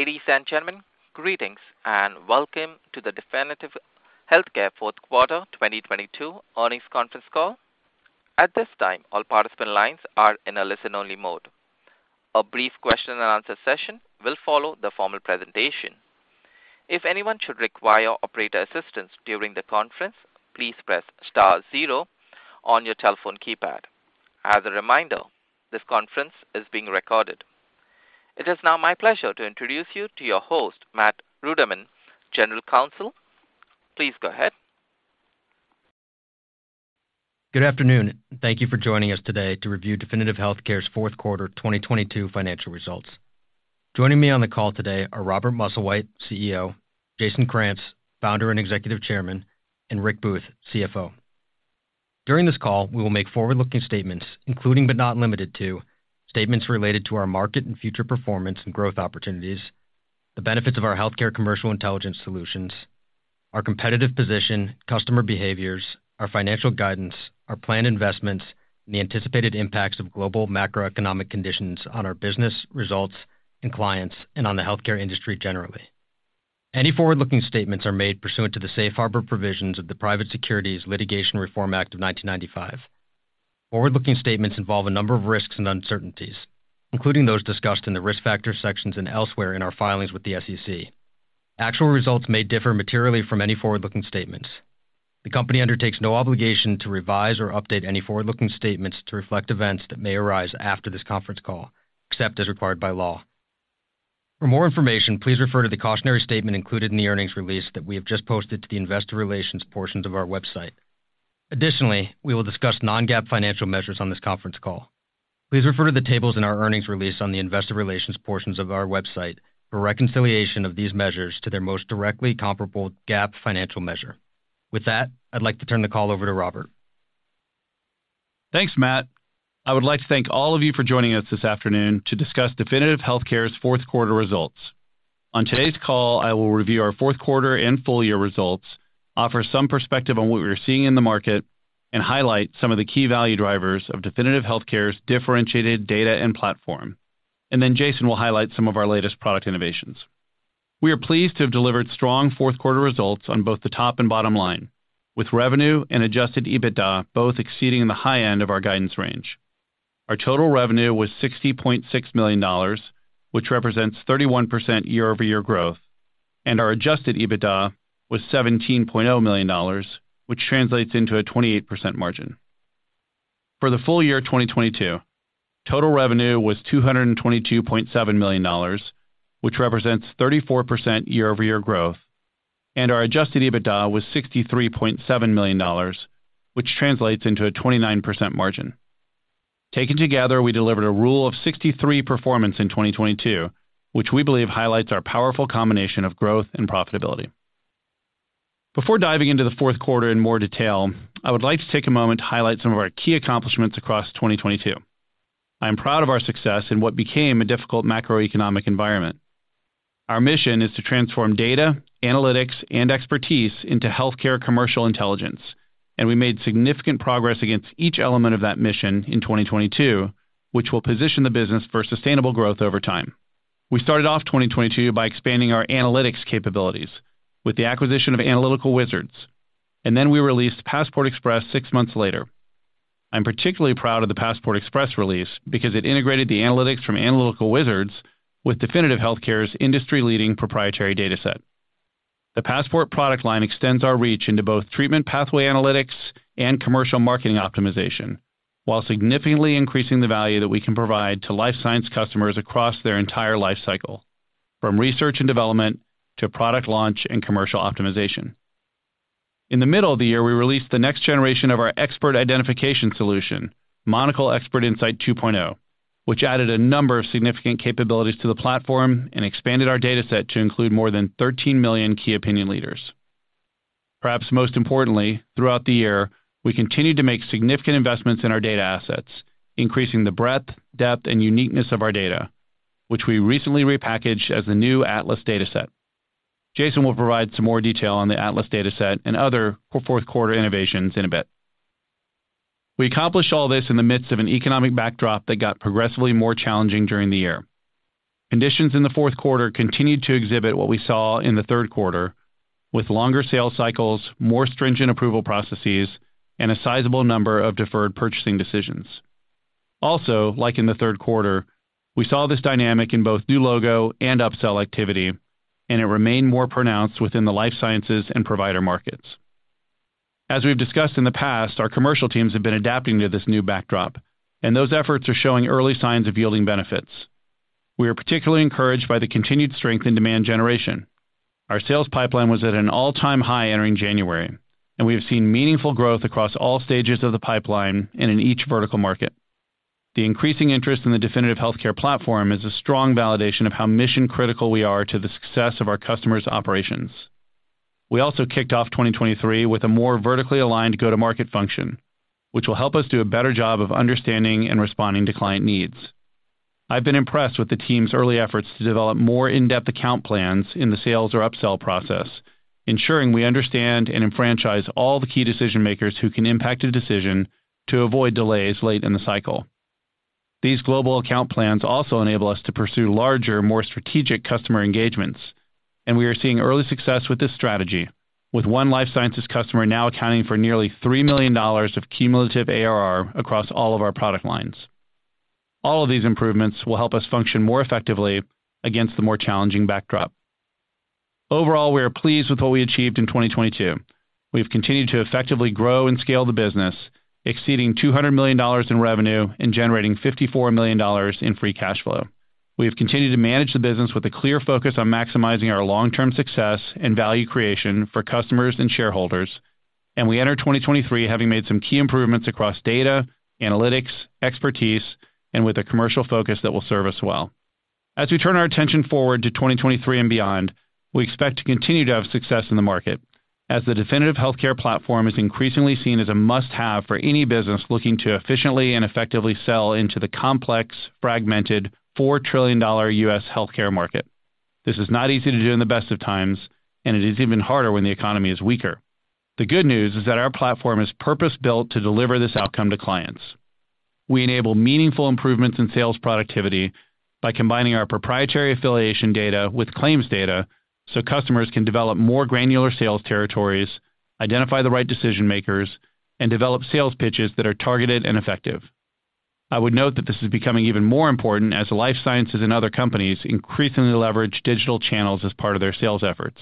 Ladies and gentlemen, greetings, and welcome to the Definitive Healthcare fourth quarter 2022 earnings conference call. At this time, all participant lines are in a listen-only mode. A brief question and answer session will follow the formal presentation. If anyone should require operator assistance during the conference, please press star zero on your telephone keypad. As a reminder, this conference is being recorded. It is now my pleasure to introduce you to your host, Matt Ruderman, General Counsel. Please go ahead. Good afternoon, thank you for joining us today to review Definitive Healthcare's fourth quarter 2022 financial results. Joining me on the call today are Robert Musslewhite, CEO, Jason Krantz, Founder and Executive Chairman, and Rick Booth, CFO. During this call, we will make forward-looking statements including, but not limited to, statements related to our market and future performance and growth opportunities, the benefits of our healthcare commercial intelligence solutions, our competitive position, customer behaviors, our financial guidance, our planned investments, and the anticipated impacts of global macroeconomic conditions on our business results and clients and on the healthcare industry generally. Any forward-looking statements are made pursuant to the safe harbor provisions of the Private Securities Litigation Reform Act of 1995. Forward-looking statements involve a number of risks and uncertainties, including those discussed in the Risk Factors sections and elsewhere in our filings with the SEC. Actual results may differ materially from any forward-looking statements. The company undertakes no obligation to revise or update any forward-looking statements to reflect events that may arise after this conference call, except as required by law. For more information, please refer to the cautionary statement included in the earnings release that we have just posted to the investor relations portions of our website. We will discuss non-GAAP financial measures on this conference call. Please refer to the tables in our earnings release on the investor relations portions of our website for a reconciliation of these measures to their most directly comparable GAAP financial measure. With that, I'd like to turn the call over to Robert. Thanks, Matt. I would like to thank all of you for joining us this afternoon to discuss Definitive Healthcare's fourth quarter results. On today's call, I will review our fourth quarter and full year results, offer some perspective on what we're seeing in the market, and highlight some of the key value drivers of Definitive Healthcare's differentiated data and platform. Then Jason will highlight some of our latest product innovations. We are pleased to have delivered strong fourth quarter results on both the top and bottom line, with revenue and adjusted EBITDA both exceeding the high end of our guidance range. Our total revenue was $60.6 million, which represents 31% year-over-year growth, and our adjusted EBITDA was $17.0 million, which translates into a 28% margin. For the full year 2022, total revenue was $222.7 million, which represents 34% year-over-year growth, and our adjusted EBITDA was $63.7 million, which translates into a 29% margin. Taken together, we delivered a rule of 63 performance in 2022, which we believe highlights our powerful combination of growth and profitability. Before diving into the fourth quarter in more detail, I would like to take a moment to highlight some of our key accomplishments across 2022. I am proud of our success in what became a difficult macroeconomic environment. Our mission is to transform data, analytics, and expertise into healthcare commercial intelligence, and we made significant progress against each element of that mission in 2022, which will position the business for sustainable growth over time. We started off 2022 by expanding our analytics capabilities with the acquisition of Analytical Wizards, and then we released Passport Express six months later. I'm particularly proud of the Passport Express release because it integrated the analytics from Analytical Wizards with Definitive Healthcare's industry-leading proprietary dataset. The Passport product line extends our reach into both treatment pathway analytics and commercial marketing optimization, while significantly increasing the value that we can provide to life science customers across their entire life cycle, from research and development to product launch and commercial optimization. In the middle of the year, we released the next generation of our expert identification solution, Monocl ExpertInsight 2.0, which added a number of significant capabilities to the platform and expanded our dataset to include more than 13 million key opinion leaders. Perhaps most importantly, throughout the year, we continued to make significant investments in our data assets, increasing the breadth, depth, and uniqueness of our data, which we recently repackaged as the new Atlas Dataset. Jason will provide some more detail on the Atlas Dataset and other fourth quarter innovations in a bit. We accomplished all this in the midst of an economic backdrop that got progressively more challenging during the year. Conditions in the fourth quarter continued to exhibit what we saw in the third quarter with longer sales cycles, more stringent approval processes, and a sizable number of deferred purchasing decisions. Also, like in the third quarter, we saw this dynamic in both new logo and upsell activity, and it remained more pronounced within the life sciences and provider markets. As we've discussed in the past, our commercial teams have been adapting to this new backdrop, and those efforts are showing early signs of yielding benefits. We are particularly encouraged by the continued strength in demand generation. Our sales pipeline was at an all-time high entering January, and we have seen meaningful growth across all stages of the pipeline and in each vertical market. The increasing interest in the Definitive Healthcare platform is a strong validation of how mission-critical we are to the success of our customers' operations. We also kicked off 2023 with a more vertically aligned go-to-market function, which will help us do a better job of understanding and responding to client needs. I've been impressed with the team's early efforts to develop more in-depth account plans in the sales or upsell process, ensuring we understand and enfranchise all the key decision-makers who can impact a decision to avoid delays late in the cycle. These global account plans also enable us to pursue larger, more strategic customer engagements. We are seeing early success with this strategy, with one life sciences customer now accounting for nearly $3 million of cumulative ARR across all of our product lines. All of these improvements will help us function more effectively against the more challenging backdrop. Overall, we are pleased with what we achieved in 2022. We've continued to effectively grow and scale the business, exceeding $200 million in revenue and generating $54 million in free cash flow. We have continued to manage the business with a clear focus on maximizing our long-term success and value creation for customers and shareholders, and we enter 2023 having made some key improvements across data, analytics, expertise, and with a commercial focus that will serve us well. As we turn our attention forward to 2023 and beyond, we expect to continue to have success in the market as the Definitive Healthcare platform is increasingly seen as a must-have for any business looking to efficiently and effectively sell into the complex, fragmented, $4 trillion U.S. healthcare market. This is not easy to do in the best of times. It is even harder when the economy is weaker. The good news is that our platform is purpose-built to deliver this outcome to clients. We enable meaningful improvements in sales productivity by combining our proprietary affiliation data with claims data so customers can develop more granular sales territories, identify the right decision makers, and develop sales pitches that are targeted and effective. I would note that this is becoming even more important as life sciences and other companies increasingly leverage digital channels as part of their sales efforts.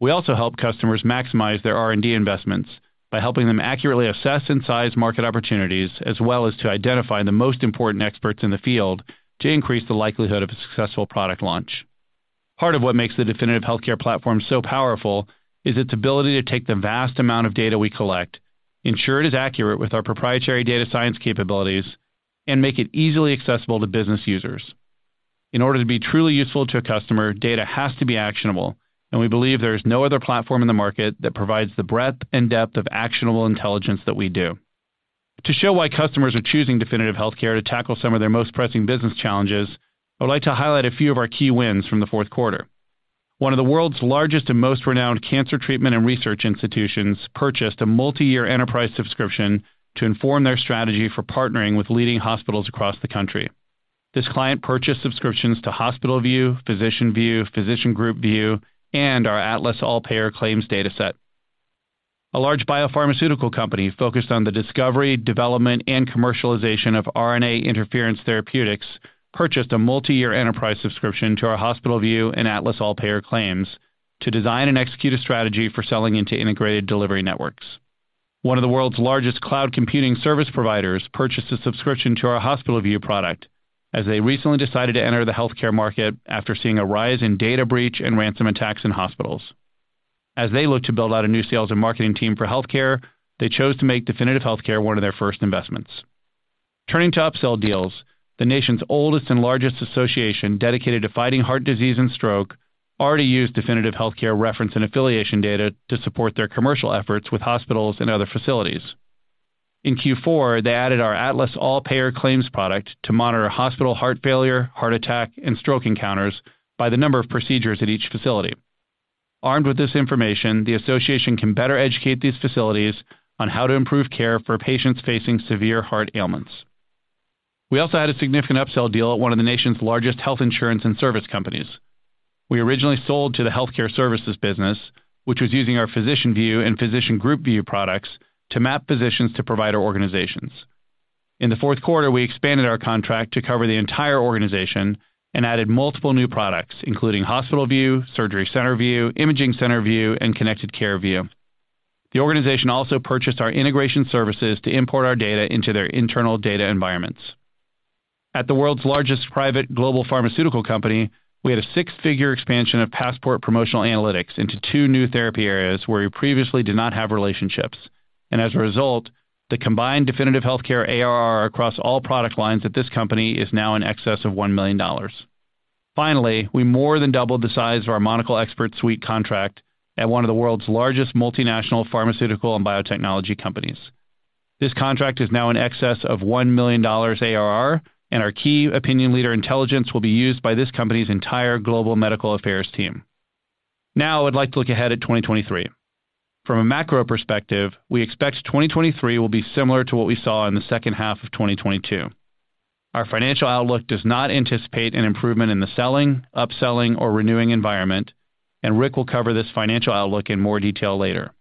We also help customers maximize their R&D investments by helping them accurately assess and size market opportunities, as well as to identify the most important experts in the field to increase the likelihood of a successful product launch. Part of what makes the Definitive Healthcare platform so powerful is its ability to take the vast amount of data we collect, ensure it is accurate with our proprietary data science capabilities, and make it easily accessible to business users. In order to be truly useful to a customer, data has to be actionable, and we believe there is no other platform in the market that provides the breadth and depth of actionable intelligence that we do. To show why customers are choosing Definitive Healthcare to tackle some of their most pressing business challenges, I would like to highlight a few of our key wins from the fourth quarter. One of the world's largest and most renowned cancer treatment and research institutions purchased a multi-year enterprise subscription to inform their strategy for partnering with leading hospitals across the country. This client purchased subscriptions to HospitalView, PhysicianView, PhysicianGroupView, and our Atlas All-Payor Claims data set. A large biopharmaceutical company focused on the discovery, development, and commercialization of RNA interference therapeutics purchased a multi-year enterprise subscription to our HospitalView and Atlas All-Payor Claims to design and execute a strategy for selling into integrated delivery networks. One of the world's largest cloud computing service providers purchased a subscription to our HospitalView product as they recently decided to enter the healthcare market after seeing a rise in data breach and ransom attacks in hospitals. As they look to build out a new sales and marketing team for healthcare, they chose to make Definitive Healthcare one of their first investments. Turning to upsell deals, the nation's oldest and largest association dedicated to fighting heart disease and stroke already used Definitive Healthcare reference and affiliation data to support their commercial efforts with hospitals and other facilities. In Q4, they added our Atlas All-Payor Claims product to monitor hospital heart failure, heart attack, and stroke encounters by the number of procedures at each facility. Armed with this information, the association can better educate these facilities on how to improve care for patients facing severe heart ailments. We also had a significant upsell deal at one of the nation's largest health insurance and service companies. We originally sold to the healthcare services business, which was using our PhysicianView and PhysicianGroupView products to map physicians to provider organizations. In the fourth quarter, we expanded our contract to cover the entire organization and added multiple new products, including HospitalView, SurgeryCenterView, ImagingCenterView, and ConnectedCareView. The organization also purchased our integration services to import our data into their internal data environments. At the world's largest private global pharmaceutical company, we had a six-figure expansion of Passport Promotional Analytics into two new therapy areas where we previously did not have relationships. As a result, the combined Definitive Healthcare ARR across all product lines at this company is now in excess of $1 million. Finally, we more than doubled the size of our Monocl Expert Suite contract at 1 of the world's largest multinational pharmaceutical and biotechnology companies. This contract is now in excess of $1 million ARR. Our key opinion leader intelligence will be used by this company's entire global medical affairs team. I would like to look ahead at 2023. From a macro perspective, we expect 2023 will be similar to what we saw in the second half of 2022. Our financial outlook does not anticipate an improvement in the selling, upselling, or renewing environment. Rick will cover this financial outlook in more detail later.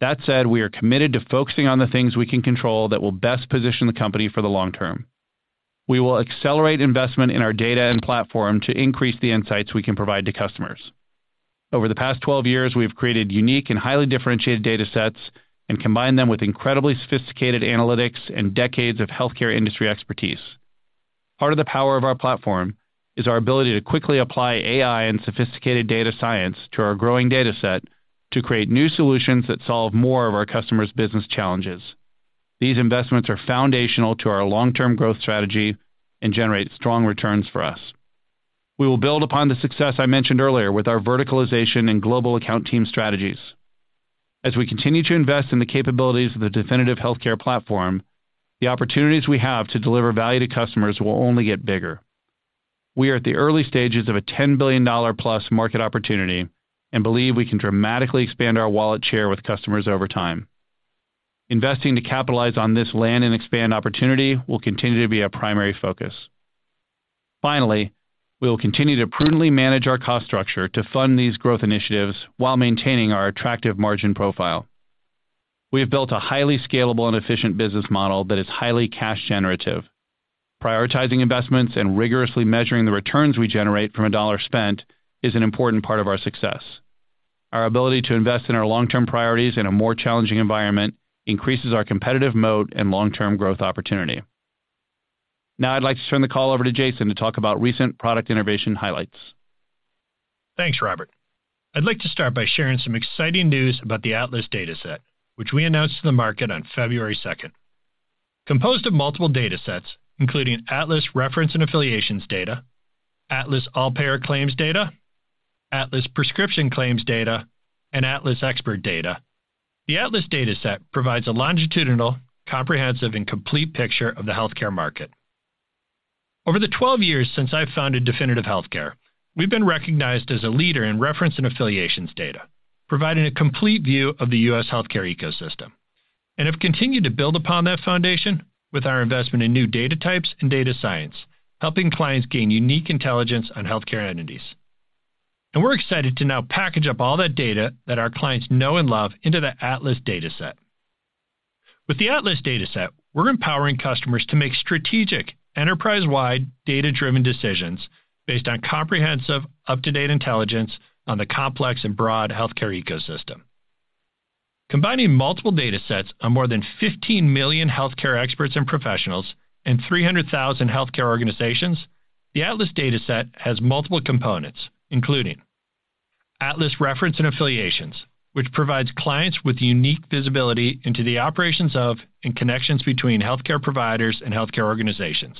That said, we are committed to focusing on the things we can control that will best position the company for the long term. We will accelerate investment in our data and platform to increase the insights we can provide to customers. Over the past 12 years, we have created unique and highly differentiated data sets and combined them with incredibly sophisticated analytics and decades of healthcare industry expertise. Part of the power of our platform is our ability to quickly apply AI and sophisticated data science to our growing data set to create new solutions that solve more of our customers' business challenges. These investments are foundational to our long-term growth strategy and generate strong returns for us. We will build upon the success I mentioned earlier with our verticalization and global account team strategies. As we continue to invest in the capabilities of the Definitive Healthcare platform, the opportunities we have to deliver value to customers will only get bigger. We are at the early stages of a $10 billion+ market opportunity and believe we can dramatically expand our wallet share with customers over time. Investing to capitalize on this land and expand opportunity will continue to be our primary focus. Finally, we will continue to prudently manage our cost structure to fund these growth initiatives while maintaining our attractive margin profile. We have built a highly scalable and efficient business model that is highly cash generative. Prioritizing investments and rigorously measuring the returns we generate from a dollar spent is an important part of our success. Our ability to invest in our long-term priorities in a more challenging environment increases our competitive moat and long-term growth opportunity. I'd like to turn the call over to Jason to talk about recent product innovation highlights. Thanks, Robert. I'd like to start by sharing some exciting news about the Atlas Dataset, which we announced to the market on February 2nd. Composed of multiple datasets, including Atlas Reference & Affiliations data, Atlas All-Payor Claims data, Atlas Prescription Claims data, and Atlas Expert data, the Atlas Dataset provides a longitudinal, comprehensive, and complete picture of the healthcare market. Over the 12 years since I founded Definitive Healthcare, we've been recognized as a leader in reference and affiliations data, providing a complete view of the U.S. healthcare ecosystem, and have continued to build upon that foundation with our investment in new data types and data science, helping clients gain unique intelligence on healthcare entities. We're excited to now package up all that data that our clients know and love into the Atlas Dataset. With the Atlas Dataset, we're empowering customers to make strategic, enterprise-wide, data-driven decisions based on comprehensive, up-to-date intelligence on the complex and broad healthcare ecosystem. Combining multiple datasets of more than 15 million healthcare experts and professionals and 300,000 healthcare organizations, the Atlas Dataset has multiple components, including Atlas Reference & Affiliations, which provides clients with unique visibility into the operations of and connections between healthcare providers and healthcare organizations.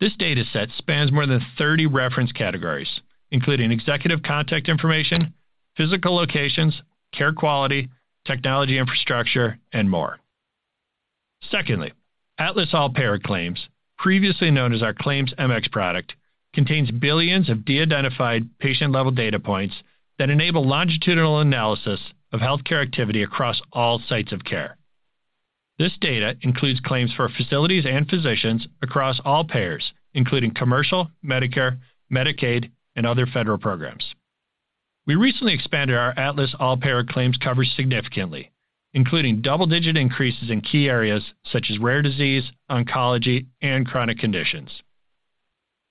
This dataset spans more than 30 reference categories, including executive contact information, physical locations, care quality, technology infrastructure, and more. Secondly, Atlas All-Payor Claims, previously known as our Claims Mx product, contains billions of de-identified patient-level data points that enable longitudinal analysis of healthcare activity across all sites of care. This data includes claims for facilities and physicians across all payers, including commercial, Medicare, Medicaid, and other federal programs. We recently expanded our Atlas All-Payor Claims coverage significantly, including double-digit increases in key areas such as rare disease, oncology, and chronic conditions.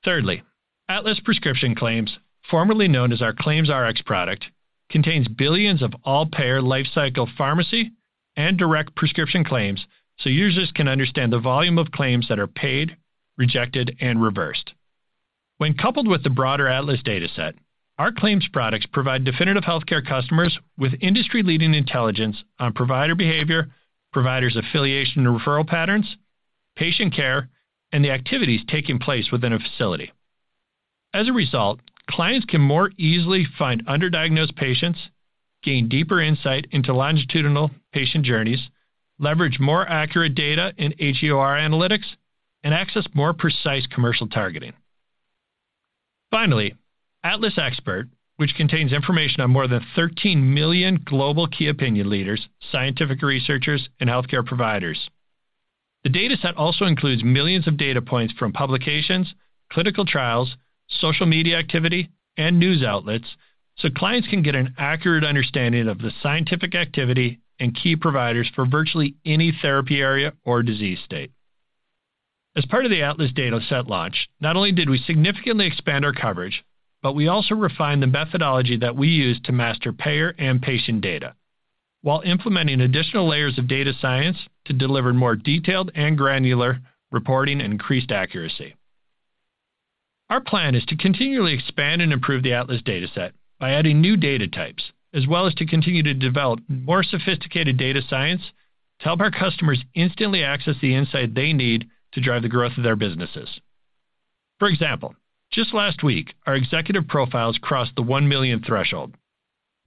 Thirdly, Atlas Prescription Claims, formerly known as our Claims Rx product, contains billions of all payer lifecycle pharmacy and direct prescription claims. Users can understand the volume of claims that are paid, rejected, and reversed. When coupled with the broader Atlas Dataset, our claims products provide Definitive Healthcare customers with industry-leading intelligence on provider behavior, providers' affiliation and referral patterns, patient care, and the activities taking place within a facility. As a result, clients can more easily find underdiagnosed patients, gain deeper insight into longitudinal patient journeys, leverage more accurate data in HEOR analytics, and access more precise commercial targeting. Finally, Atlas Expert, which contains information on more than 13 million global key opinion leaders, scientific researchers, and healthcare providers. The dataset also includes millions of data points from publications, clinical trials, social media activity, and news outlets, so clients can get an accurate understanding of the scientific activity and key providers for virtually any therapy area or disease state. As part of the Atlas Dataset launch, not only did we significantly expand our coverage, but we also refined the methodology that we use to master payer and patient data while implementing additional layers of data science to deliver more detailed and granular reporting and increased accuracy. Our plan is to continually expand and improve the Atlas Dataset by adding new data types, as well as to continue to develop more sophisticated data science to help our customers instantly access the insight they need to drive the growth of their businesses. For example, just last week, our executive profiles crossed the 1 million threshold,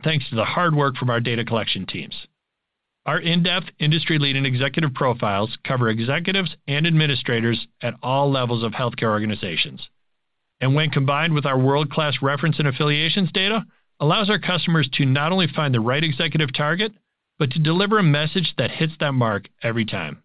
thanks to the hard work from our data collection teams. Our in-depth, industry-leading executive profiles cover executives and administrators at all levels of healthcare organizations. When combined with reference and affiliations data, allows our customers to not only find the right executive target, but to deliver a message that hits that mark every time.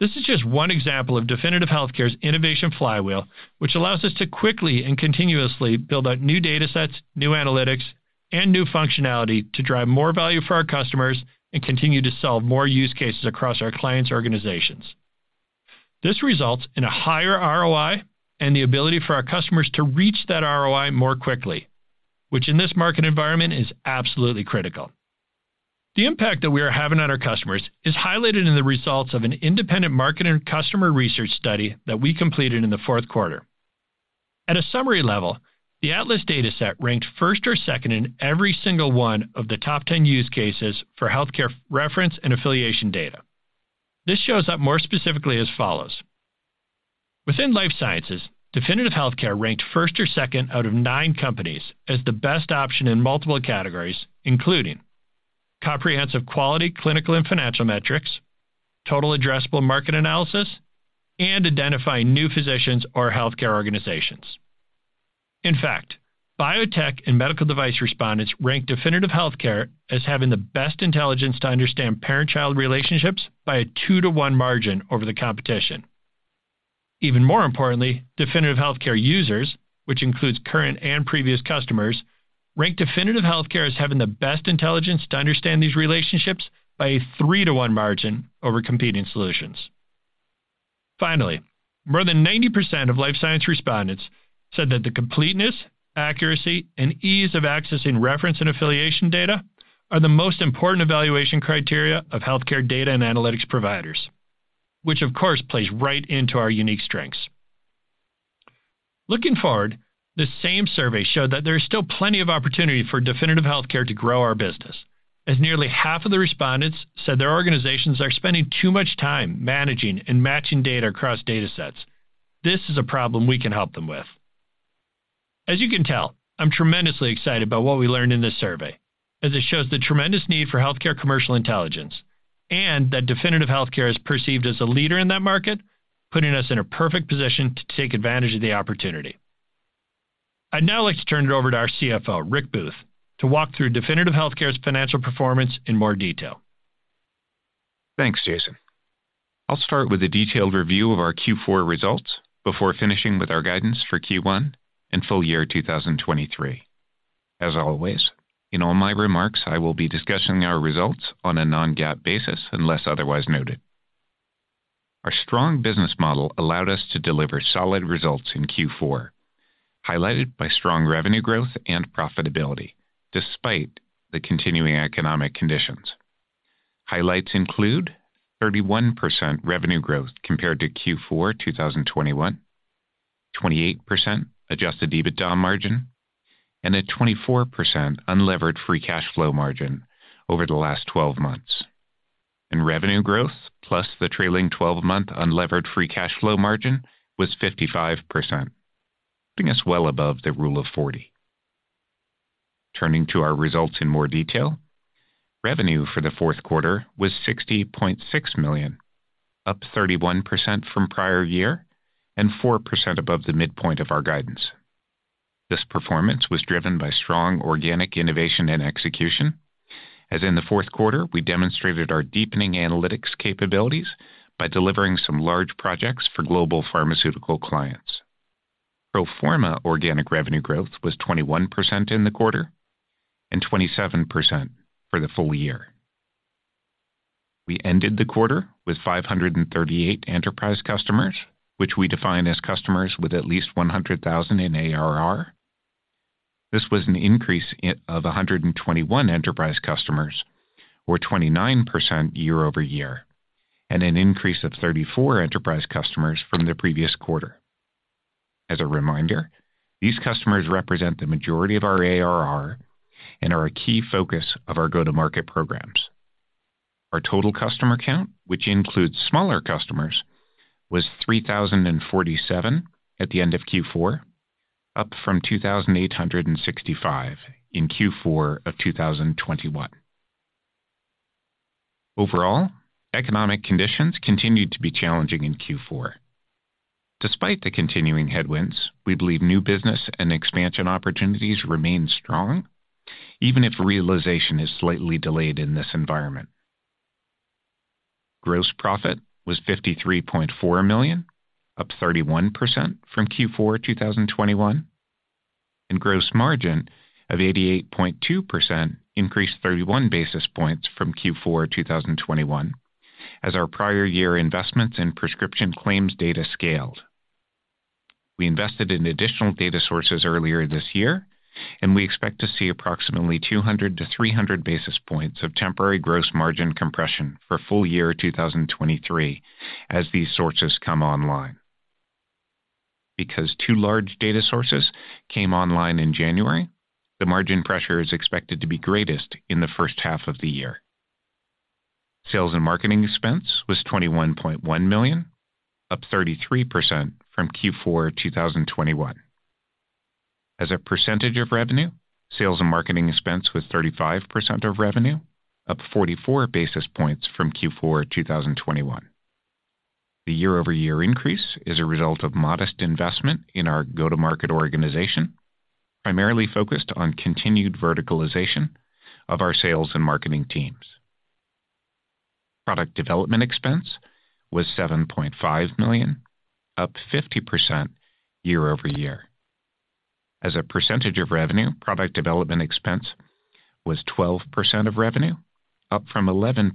This is just one example of Definitive Healthcare's innovation flywheel, which allows us to quickly and continuously build out new datasets, new analytics, and new functionality to drive more value for our customers and continue to solve more use cases across our clients' organizations. This results in a higher ROI and the ability for our customers to reach that ROI more quickly, which in this market environment is absolutely critical. The impact that we are having on our customers is highlighted in the results of an independent market and customer research study that we completed in the fourth quarter. At a summary level, the Atlas Dataset ranked first or second in every single one of the top 10 use cases for healthcare reference and affiliation data. This shows up more specifically as follows. Within life sciences, Definitive Healthcare ranked first or second out of nine companies as the best option in multiple categories, including. Comprehensive quality, clinical and financial metrics, total addressable market analysis, and identifying new physicians or healthcare organizations. In fact, biotech and medical device respondents ranked Definitive Healthcare as having the best intelligence to understand parent-child relationships by a two-to-one margin over the competition. Even more importantly, Definitive Healthcare users, which includes current and previous customers, ranked Definitive Healthcare as having the best intelligence to understand these relationships by a three-to-one margin over competing solutions. Finally, more than 90% of life science respondents said that the completeness, accuracy, and ease of accessing reference and affiliation data are the most important evaluation criteria of healthcare data and analytics providers, which of course plays right into our unique strengths. Looking forward, the same survey showed that there is still plenty of opportunity for Definitive Healthcare to grow our business, as nearly half of the respondents said their organizations are spending too much time managing and matching data across datasets. This is a problem we can help them with. As you can tell, I'm tremendously excited about what we learned in this survey, as it shows the tremendous need for healthcare commercial intelligence and that Definitive Healthcare is perceived as a leader in that market, putting us in a perfect position to take advantage of the opportunity. I'd now like to turn it over to our CFO, Rick Booth, to walk through Definitive Healthcare's financial performance in more detail. Thanks, Jason. I'll start with a detailed review of our Q4 results before finishing with our guidance for Q1 and full year 2023. As always, in all my remarks, I will be discussing our results on a non-GAAP basis unless otherwise noted. Our strong business model allowed us to deliver solid results in Q4, highlighted by strong revenue growth and profitability despite the continuing economic conditions. Highlights include 31% revenue growth compared to Q4 2021, 28% adjusted EBITDA margin, and a 24% unlevered free cash flow margin over the last 12 months. Revenue growth, plus the trailing 12-month unlevered free cash flow margin was 55%, putting us well above the Rule of 40. Turning to our results in more detail. Revenue for the fourth quarter was $60.6 million, up 31% from prior year and 4% above the midpoint of our guidance. This performance was driven by strong organic innovation and execution, as in the fourth quarter, we demonstrated our deepening analytics capabilities by delivering some large projects for global pharmaceutical clients. Pro forma organic revenue growth was 21% in the quarter and 27% for the full year. We ended the quarter with 538 enterprise customers, which we define as customers with at least $100,000 in ARR. This was an increase of 121 enterprise customers or 29% year-over-year, and an increase of 34 enterprise customers from the previous quarter. As a reminder, these customers represent the majority of our ARR and are a key focus of our go-to-market programs. Our total customer count, which includes smaller customers, was 3,047 at the end of Q4, up from 2,865 in Q4 of 2021. Overall, economic conditions continued to be challenging in Q4. Despite the continuing headwinds, we believe new business and expansion opportunities remain strong, even if realization is slightly delayed in this environment. Gross profit was $53.4 million, up 31% from Q4 2021, and gross margin of 88.2% increased 31 basis points from Q4 2021 as our prior year investments in prescription claims data scaled. We invested in additional data sources earlier this year, we expect to see approximately 200-300 basis points of temporary gross margin compression for full year 2023 as these sources come online. Two large data sources came online in January, the margin pressure is expected to be greatest in the first half of the year. Sales and marketing expense was $21.1 million, up 33% from Q4 2021. As a percentage of revenue, sales and marketing expense was 35% of revenue, up 44 basis points from Q4 2021. The year-over-year increase is a result of modest investment in our go-to-market organization, primarily focused on continued verticalization of our sales and marketing teams. Product development expense was $7.5 million, up 50% year-over-year. As a percentage of revenue, product development expense was 12% of revenue, up from 11%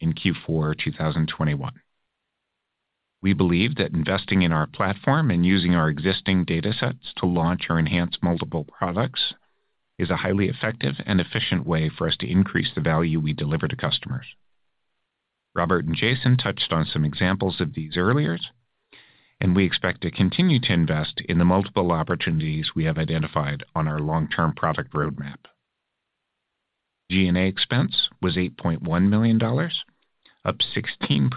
in Q4 2021. We believe that investing in our platform and using our existing datasets to launch or enhance multiple products is a highly effective and efficient way for us to increase the value we deliver to customers. Robert and Jason touched on some examples of these earlier, and we expect to continue to invest in the multiple opportunities we have identified on our long-term product roadmap. G&A expense was $8.1 million, up 16%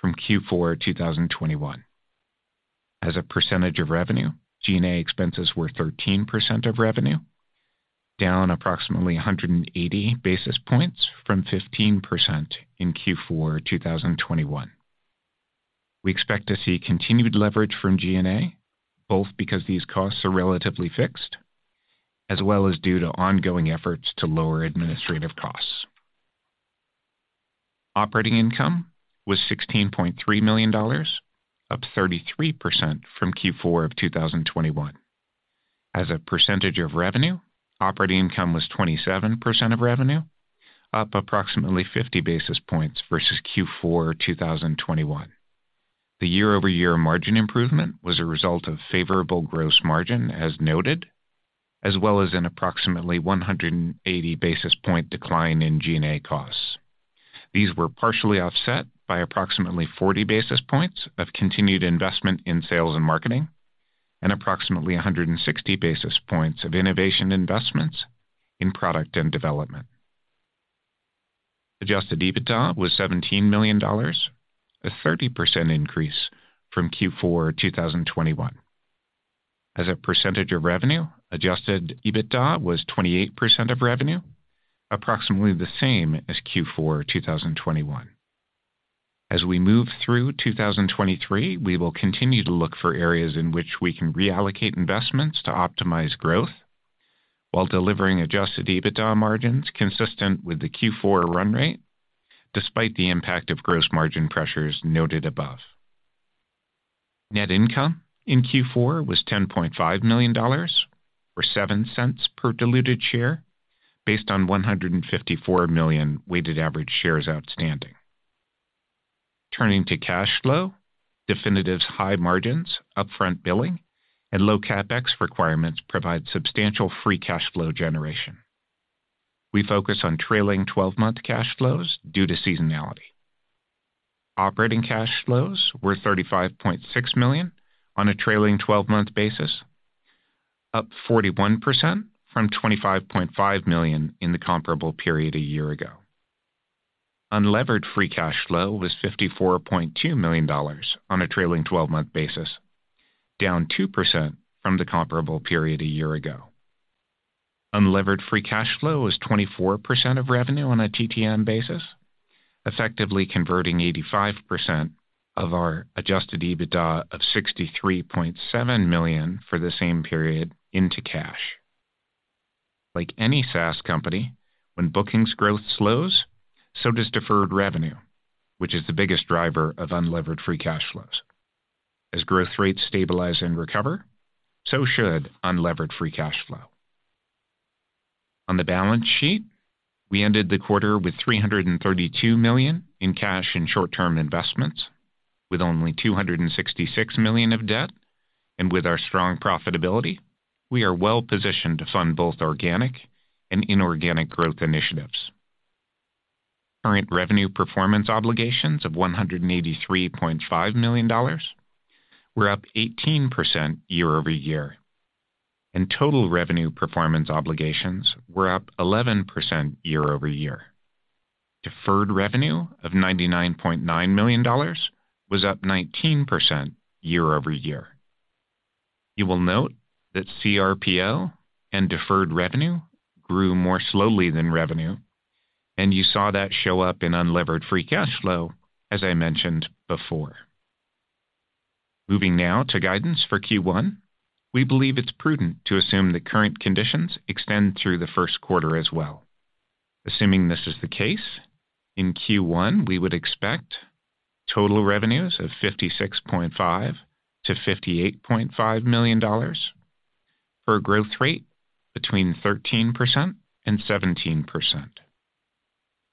from Q4 2021. As a percentage of revenue, G&A expenses were 13% of revenue, down approximately 180 basis points from 15% in Q4 2021. We expect to see continued leverage from G&A, both because these costs are relatively fixed, as well as due to ongoing efforts to lower administrative costs. Operating income was $16.3 million, up 33% from Q4 2021. As a percentage of revenue, operating income was 27% of revenue, up approximately 50 basis points versus Q4 2021. The year-over-year margin improvement was a result of favorable gross margin as noted, as well as an approximately 180 basis point decline in G&A costs. These were partially offset by approximately 40 basis points of continued investment in sales and marketing and approximately 160 basis points of innovation investments in product and development. Adjusted EBITDA was $17 million, a 30% increase from Q4 2021. As a percentage of revenue, adjusted EBITDA was 28% of revenue, approximately the same as Q4 2021. As we move through 2023, we will continue to look for areas in which we can reallocate investments to optimize growth while delivering adjusted EBITDA margins consistent with the Q4 run rate despite the impact of gross margin pressures noted above. Net income in Q4 was $10.5 million or $0.07 per diluted share based on 154 million weighted average shares outstanding. Turning to cash flow, Definitive's high margins, upfront billing, and low CapEx requirements provide substantial free cash flow generation. We focus on trailing twelve-month cash flows due to seasonality. Operating cash flows were $35.6 million on a trailing 12-month basis, up 41% from $25.5 million in the comparable period a year ago. Unlevered free cash flow was $54.2 million on a trailing 12-month basis, down 2% from the comparable period a year ago. Unlevered free cash flow was 24% of revenue on a TTM basis, effectively converting 85% of our adjusted EBITDA of $63.7 million for the same period into cash. Like any SaaS company, when bookings growth slows, so does deferred revenue, which is the biggest driver of unlevered free cash flows. As growth rates stabilize and recover, so should unlevered free cash flow. On the balance sheet, we ended the quarter with $332 million in cash and short-term investments with only $266 million of debt. With our strong profitability, we are well-positioned to fund both organic and inorganic growth initiatives. Current revenue performance obligations of $183.5 million were up 18% year-over-year, and total revenue performance obligations were up 11% year-over-year. Deferred revenue of $99.9 million was up 19% year-over-year. You will note that CRPO and deferred revenue grew more slowly than revenue, and you saw that show up in unlevered free cash flow as I mentioned before. Moving now to guidance for Q1, we believe it's prudent to assume that current conditions extend through the first quarter as well. Assuming this is the case, in Q1 we would expect total revenues of $56.5 million-$58.5 million for a growth rate between 13% and 17%.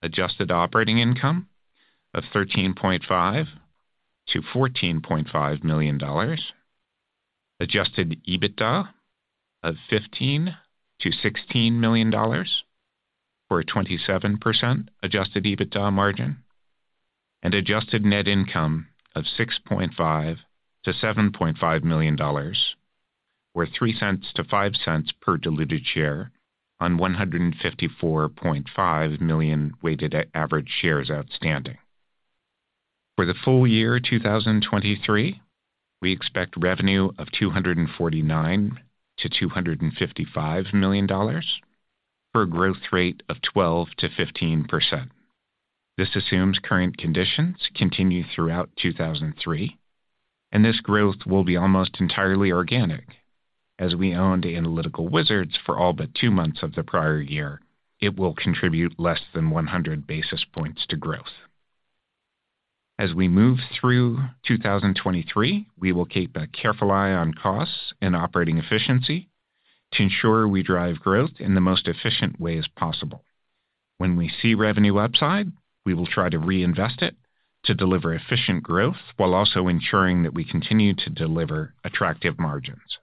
Adjusted operating income of $13.5 million-$14.5 million. Adjusted EBITDA of $15 million-$16 million for a 27% adjusted EBITDA margin, and adjusted net income of $6.5 million-$7.5 million, or $0.03-$0.05 per diluted share on 154.5 million weighted average shares outstanding. For the full year 2023, we expect revenue of $249 million-$255 million for a growth rate of 12%-15%. This assumes current conditions continue throughout 2003, and this growth will be almost entirely organic. As we owned Analytical Wizards for all but two months of the prior year, it will contribute less than 100 basis points to growth. As we move through 2023, we will keep a careful eye on costs and operating efficiency to ensure we drive growth in the most efficient ways possible. When we see revenue upside, we will try to reinvest it to deliver efficient growth while also ensuring that we continue to deliver attractive margins.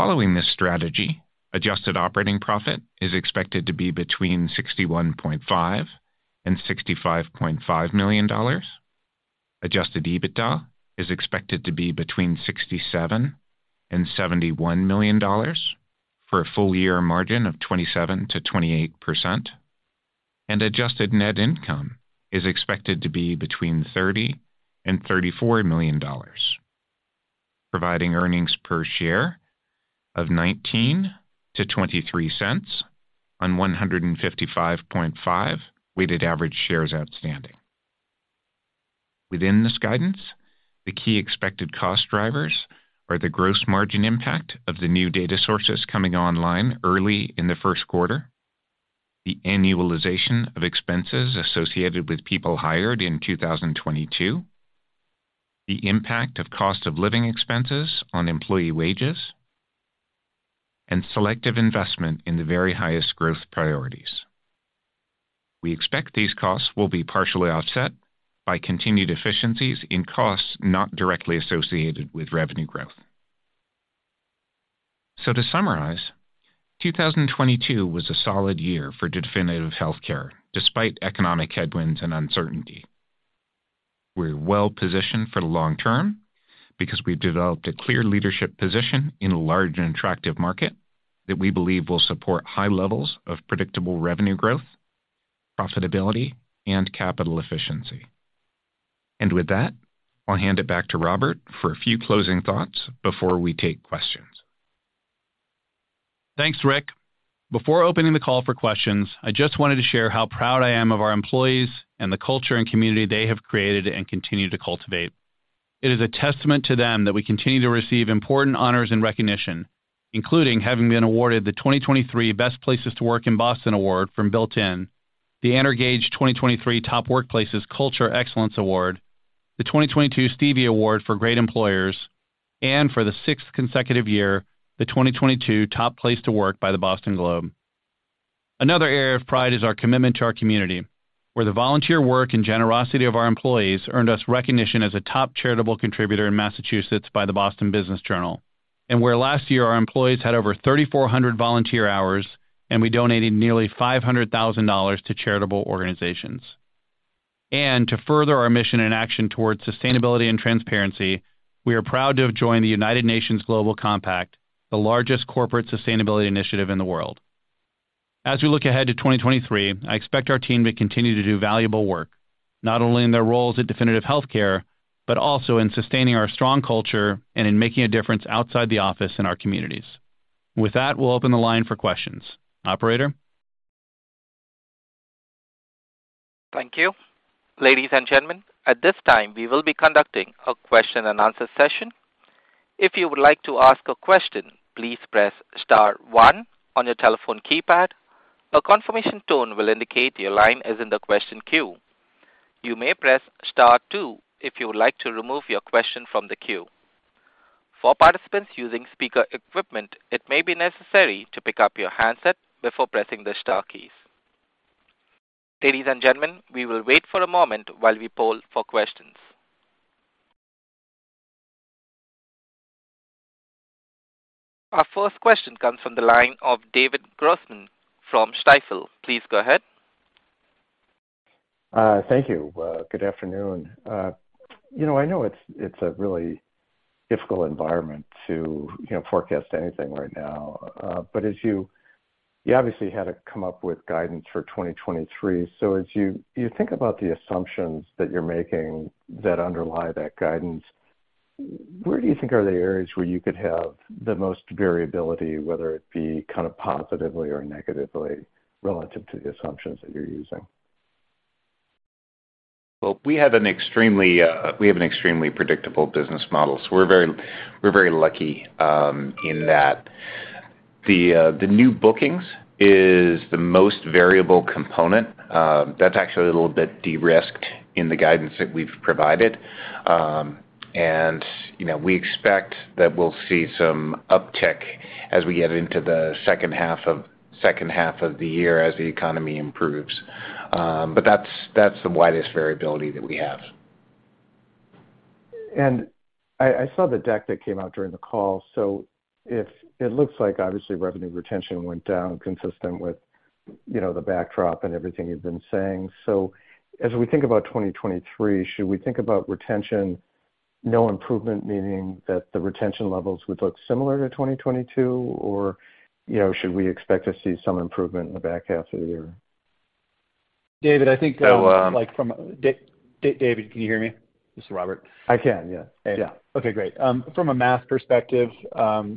Following this strategy, adjusted operating profit is expected to be between $61.5 million and $65.5 million. Adjusted EBITDA is expected to be between $67 million and $71 million for a full year margin of 27%-28%. Adjusted net income is expected to be between $30 million and $34 million, providing earnings per share of $0.19-$0.23 on 155.5 weighted average shares outstanding. Within this guidance, the key expected cost drivers are the gross margin impact of the new data sources coming online early in the first quarter, the annualization of expenses associated with people hired in 2022, the impact of cost of living expenses on employee wages, and selective investment in the very highest growth priorities. We expect these costs will be partially offset by continued efficiencies in costs not directly associated with revenue growth. To summarize, 2022 was a solid year for Definitive Healthcare despite economic headwinds and uncertainty. We're well positioned for the long term because we've developed a clear leadership position in a large and attractive market that we believe will support high levels of predictable revenue growth, profitability, and capital efficiency. With that, I'll hand it back to Robert for a few closing thoughts before we take questions. Thanks, Rick. Before opening the call for questions, I just wanted to share how proud I am of our employees and the culture and community they have created and continue to cultivate. It is a testament to them that we continue to receive important honors and recognition, including having been awarded the 2023 Best Places to Work in Boston award from Built In, the Energage 2023 Top Workplaces Culture Excellence Award, the 2022 Stevie Award for Great Employers, and for the sixth consecutive year, the 2022 Top Place to Work by The Boston Globe. Another area of pride is our commitment to our community, where the volunteer work and generosity of our employees earned us recognition as a top charitable contributor in Massachusetts by the Boston Business Journal. Where last year our employees had over 3,400 volunteer hours, we donated nearly $500,000 to charitable organizations. To further our mission and action towards sustainability and transparency, we are proud to have joined the United Nations Global Compact, the largest corporate sustainability initiative in the world. As we look ahead to 2023, I expect our team to continue to do valuable work, not only in their roles at Definitive Healthcare, but also in sustaining our strong culture and in making a difference outside the office in our communities. With that, we'll open the line for questions. Operator? Thank you. Ladies and gentlemen, at this time, we will be conducting a question and answer session. If you would like to ask a question, please press star one on your telephone keypad. A confirmation tone will indicate your line is in the question queue. You may press star two if you would like to remove your question from the queue. For participants using speaker equipment, it may be necessary to pick up your handset before pressing the star keys. Ladies and gentlemen, we will wait for a moment while we poll for questions. Our first question comes from the line of David Grossman from Stifel. Please go ahead. Thank you. Good afternoon. You know, I know it's a really difficult environment to, you know, forecast anything right now. As you obviously had to come up with guidance for 2023. As you think about the assumptions that you're making that underlie that guidance, where do you think are the areas where you could have the most variability, whether it be kind of positively or negatively relative to the assumptions that you're using? We have an extremely predictable business model, so we're very lucky in that. The new bookings is the most variable component. That's actually a little bit de-risked in the guidance that we've provided. You know, we expect that we'll see some uptick as we get into the second half of the year as the economy improves. That's the widest variability that we have. I saw the deck that came out during the call. If it looks like obviously revenue retention went down consistent with, you know, the backdrop and everything you've been saying. As we think about 2023, should we think about retention, no improvement, meaning that the retention levels would look similar to 2022? Should we expect to see some improvement in the back half of the year? David, I think, like David, can you hear me? This is Robert. I can, yeah. Yeah. Okay, great. From a math perspective,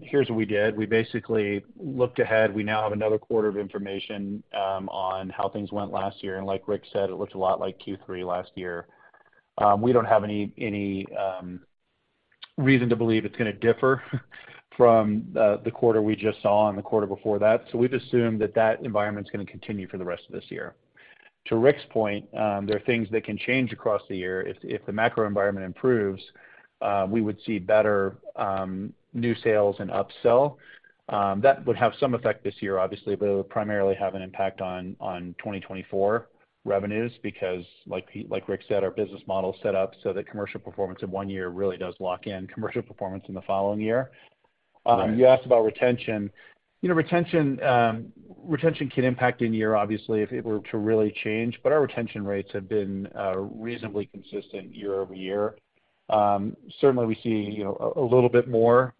here's what we did. We basically looked ahead. We now have another quarter of information on how things went last year. Like Rick said, it looked a lot like Q3 last year. We don't have any reason to believe it's gonna differ from the quarter we just saw and the quarter before that. We've assumed that that environment's gonna continue for the rest of this year. To Rick's point, there are things that can change across the year. If the macro environment improves, we would see better new sales and upsell. That would have some effect this year, obviously, but it would primarily have an impact on 2024 revenues because like Rick said, our business model is set up so that commercial performance in one year really does lock in commercial performance in the following year. You asked about retention. You know, retention can impact in year, obviously, if it were to really change, but our retention rates have been reasonably consistent year-over-year. Certainly we see, you know, a little bit more,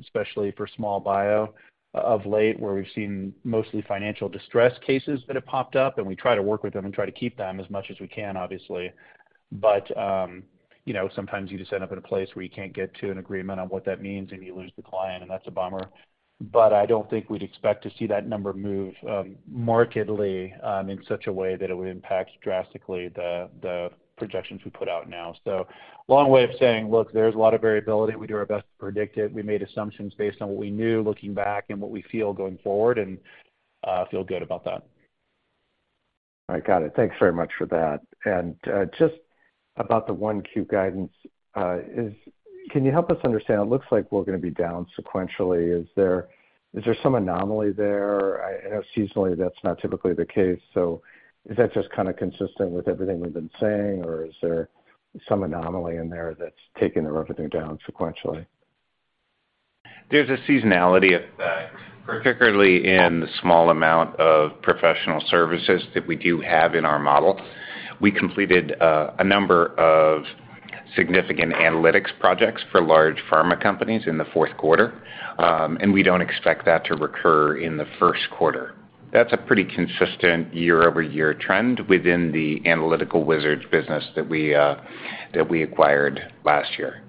especially for small bio of late, where we've seen mostly financial distress cases that have popped up, and we try to work with them and try to keep them as much as we can, obviously. You know, sometimes you just end up in a place where you can't get to an agreement on what that means, and you lose the client, and that's a bummer. I don't think we'd expect to see that number move markedly in such a way that it would impact drastically the projections we put out now. Long way of saying, look, there's a lot of variability. We do our best to predict it. We made assumptions based on what we knew looking back and what we feel going forward, and feel good about that. All right. Got it. Thanks very much for that. Just about the 1Q guidance, can you help us understand, it looks like we're gonna be down sequentially. Is there some anomaly there? I know seasonally that's not typically the case. Is that just kind of consistent with everything we've been saying, or is there some anomaly in there that's taking everything down sequentially? There's a seasonality effect, particularly in the small amount of professional services that we do have in our model. We completed a number of significant analytics projects for large pharma companies in the fourth quarter, and we don't expect that to recur in the first quarter. That's a pretty consistent year-over-year trend within the Analytical Wizards business that we acquired last year.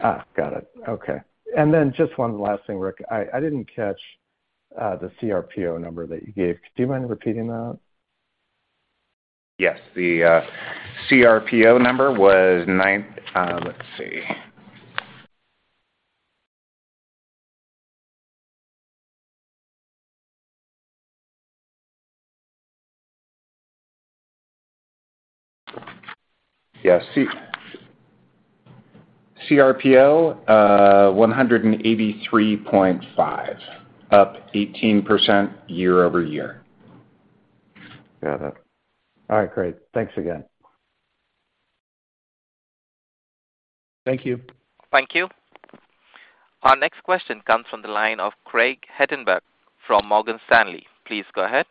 Got it. Okay. Then just one last thing, Rick. I didn't catch the CRPO number that you gave. Do you mind repeating that? Yes. Let's see CRPO was. Yes. CRPO 183.5, up 18% year-over-year. Got it. All right, great. Thanks again. Thank you. Thank you. Our next question comes from the line of Craig Hettenbach from Morgan Stanley. Please go ahead.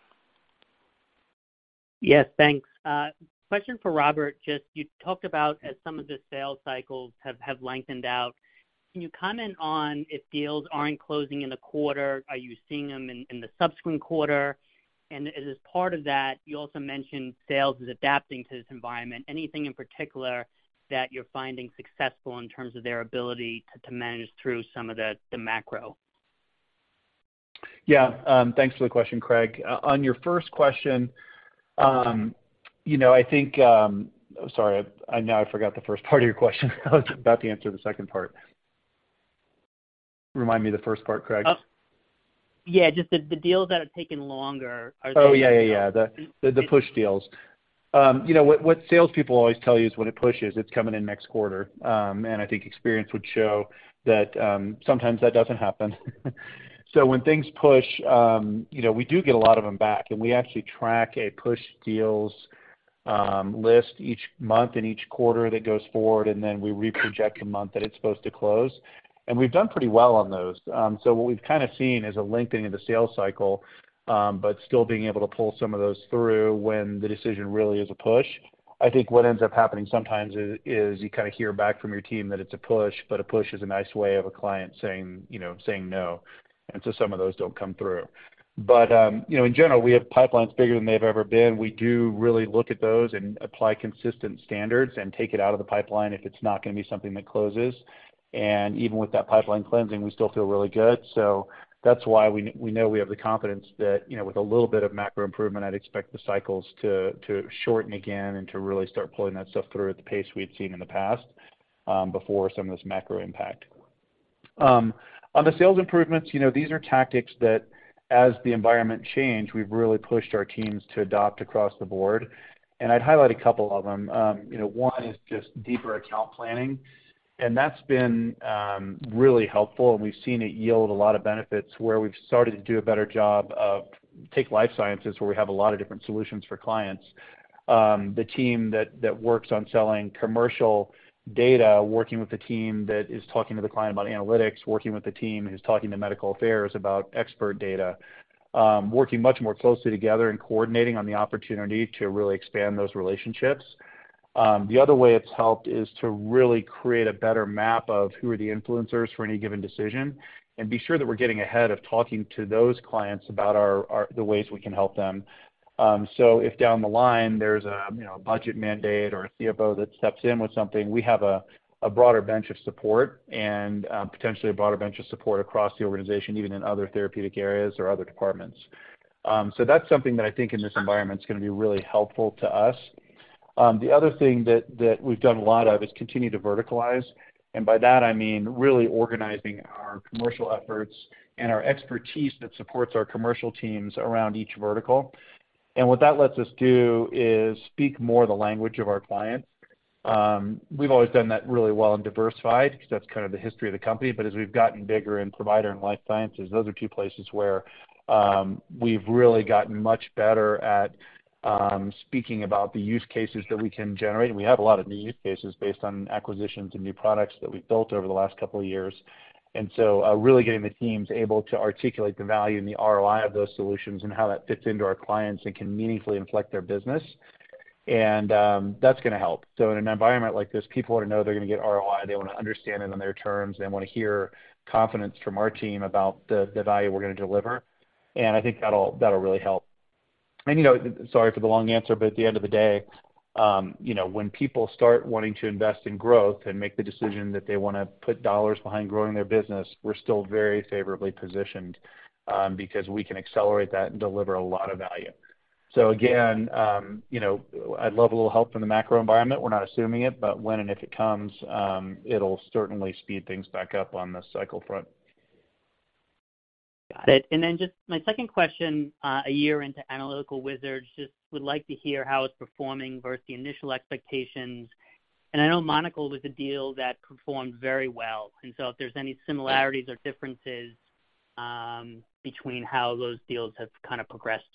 Yes, thanks. Question for Robert? Just you talked about as some of the sales cycles have lengthened out, can you comment on if deals aren't closing in the quarter, are you seeing them in the subsequent quarter? As part of that, you also mentioned sales is adapting to this environment. Anything in particular that you're finding successful in terms of their ability to manage through some of the macro? Yeah. Thanks for the question, Craig. On your first question, you know, I think. Sorry, I now forgot the first part of your question. I was about to answer the second part. Remind me the first part, Craig. Oh. Yeah, just the deals that have taken longer. Oh, yeah, yeah. The push deals. You know, what salespeople always tell you is when it pushes, it's coming in next quarter. I think experience would show that sometimes that doesn't happen. When things push, you know, we do get a lot of them back, and we actually track a push deals list each month and each quarter that goes forward, and then we reproject the month that it's supposed to close. We've done pretty well on those. What we've kinda seen is a lengthening of the sales cycle, but still being able to pull some of those through when the decision really is a push. I think what ends up happening sometimes is, you kinda hear back from your team that it's a push, but a push is a nice way of a client saying, you know, saying no. Some of those don't come through. You know, in general, we have pipelines bigger than they've ever been. We do really look at those and apply consistent standards and take it out of the pipeline if it's not gonna be something that closes. Even with that pipeline cleansing, we still feel really good. That's why we know we have the confidence that, you know, with a little bit of macro improvement, I'd expect the cycles to shorten again and to really start pulling that stuff through at the pace we've seen in the past before some of this macro impact. On the sales improvements, you know, these are tactics that as the environment change, we've really pushed our teams to adopt across the board. I'd highlight a couple of them. You know, one is just deeper account planning, and that's been really helpful, and we've seen it yield a lot of benefits where we've started to do a better job of take life sciences, where we have a lot of different solutions for clients. The team that works on selling commercial data, working with the team that is talking to the client about analytics, working with the team who's talking to medical affairs about expert data, working much more closely together and coordinating on the opportunity to really expand those relationships. The other way it's helped is to really create a better map of who are the influencers for any given decision and be sure that we're getting ahead of talking to those clients about our the ways we can help them. If down the line, there's a, you know, a budget mandate or a CFO that steps in with something, we have a broader bench of support and potentially a broader bench of support across the organization, even in other therapeutic areas or other departments. That's something that I think in this environment is gonna be really helpful to us. The other thing that we've done a lot of is continue to verticalize. By that, I mean, really organizing our commercial efforts and our expertise that supports our commercial teams around each vertical. What that lets us do is speak more the language of our clients. We've always done that really well and diversified 'cause that's kind of the history of the company. As we've gotten bigger in provider and life sciences, those are two places where we've really gotten much better at speaking about the use cases that we can generate. We have a lot of new use cases based on acquisitions and new products that we've built over the last couple of years. Really getting the teams able to articulate the value and the ROI of those solutions and how that fits into our clients and can meaningfully inflect their business. That's gonna help. In an environment like this, people wanna know they're gonna get ROI. They wanna understand it on their terms. They wanna hear confidence from our team about the value we're gonna deliver. I think that'll really help. You know, sorry for the long answer, but at the end of the day, you know, when people start wanting to invest in growth and make the decision that they wanna put dollars behind growing their business, we're still very favorably positioned, because we can accelerate that and deliver a lot of value. Again, you know, I'd love a little help from the macro environment. We're not assuming it, but when and if it comes, it'll certainly speed things back up on the cycle front. Got it. Just my second question, a year into Analytical Wizards, just would like to hear how it's performing versus the initial expectations. I know Monocl was a deal that performed very well. If there's any similarities or differences, between how those deals have kinda progressed.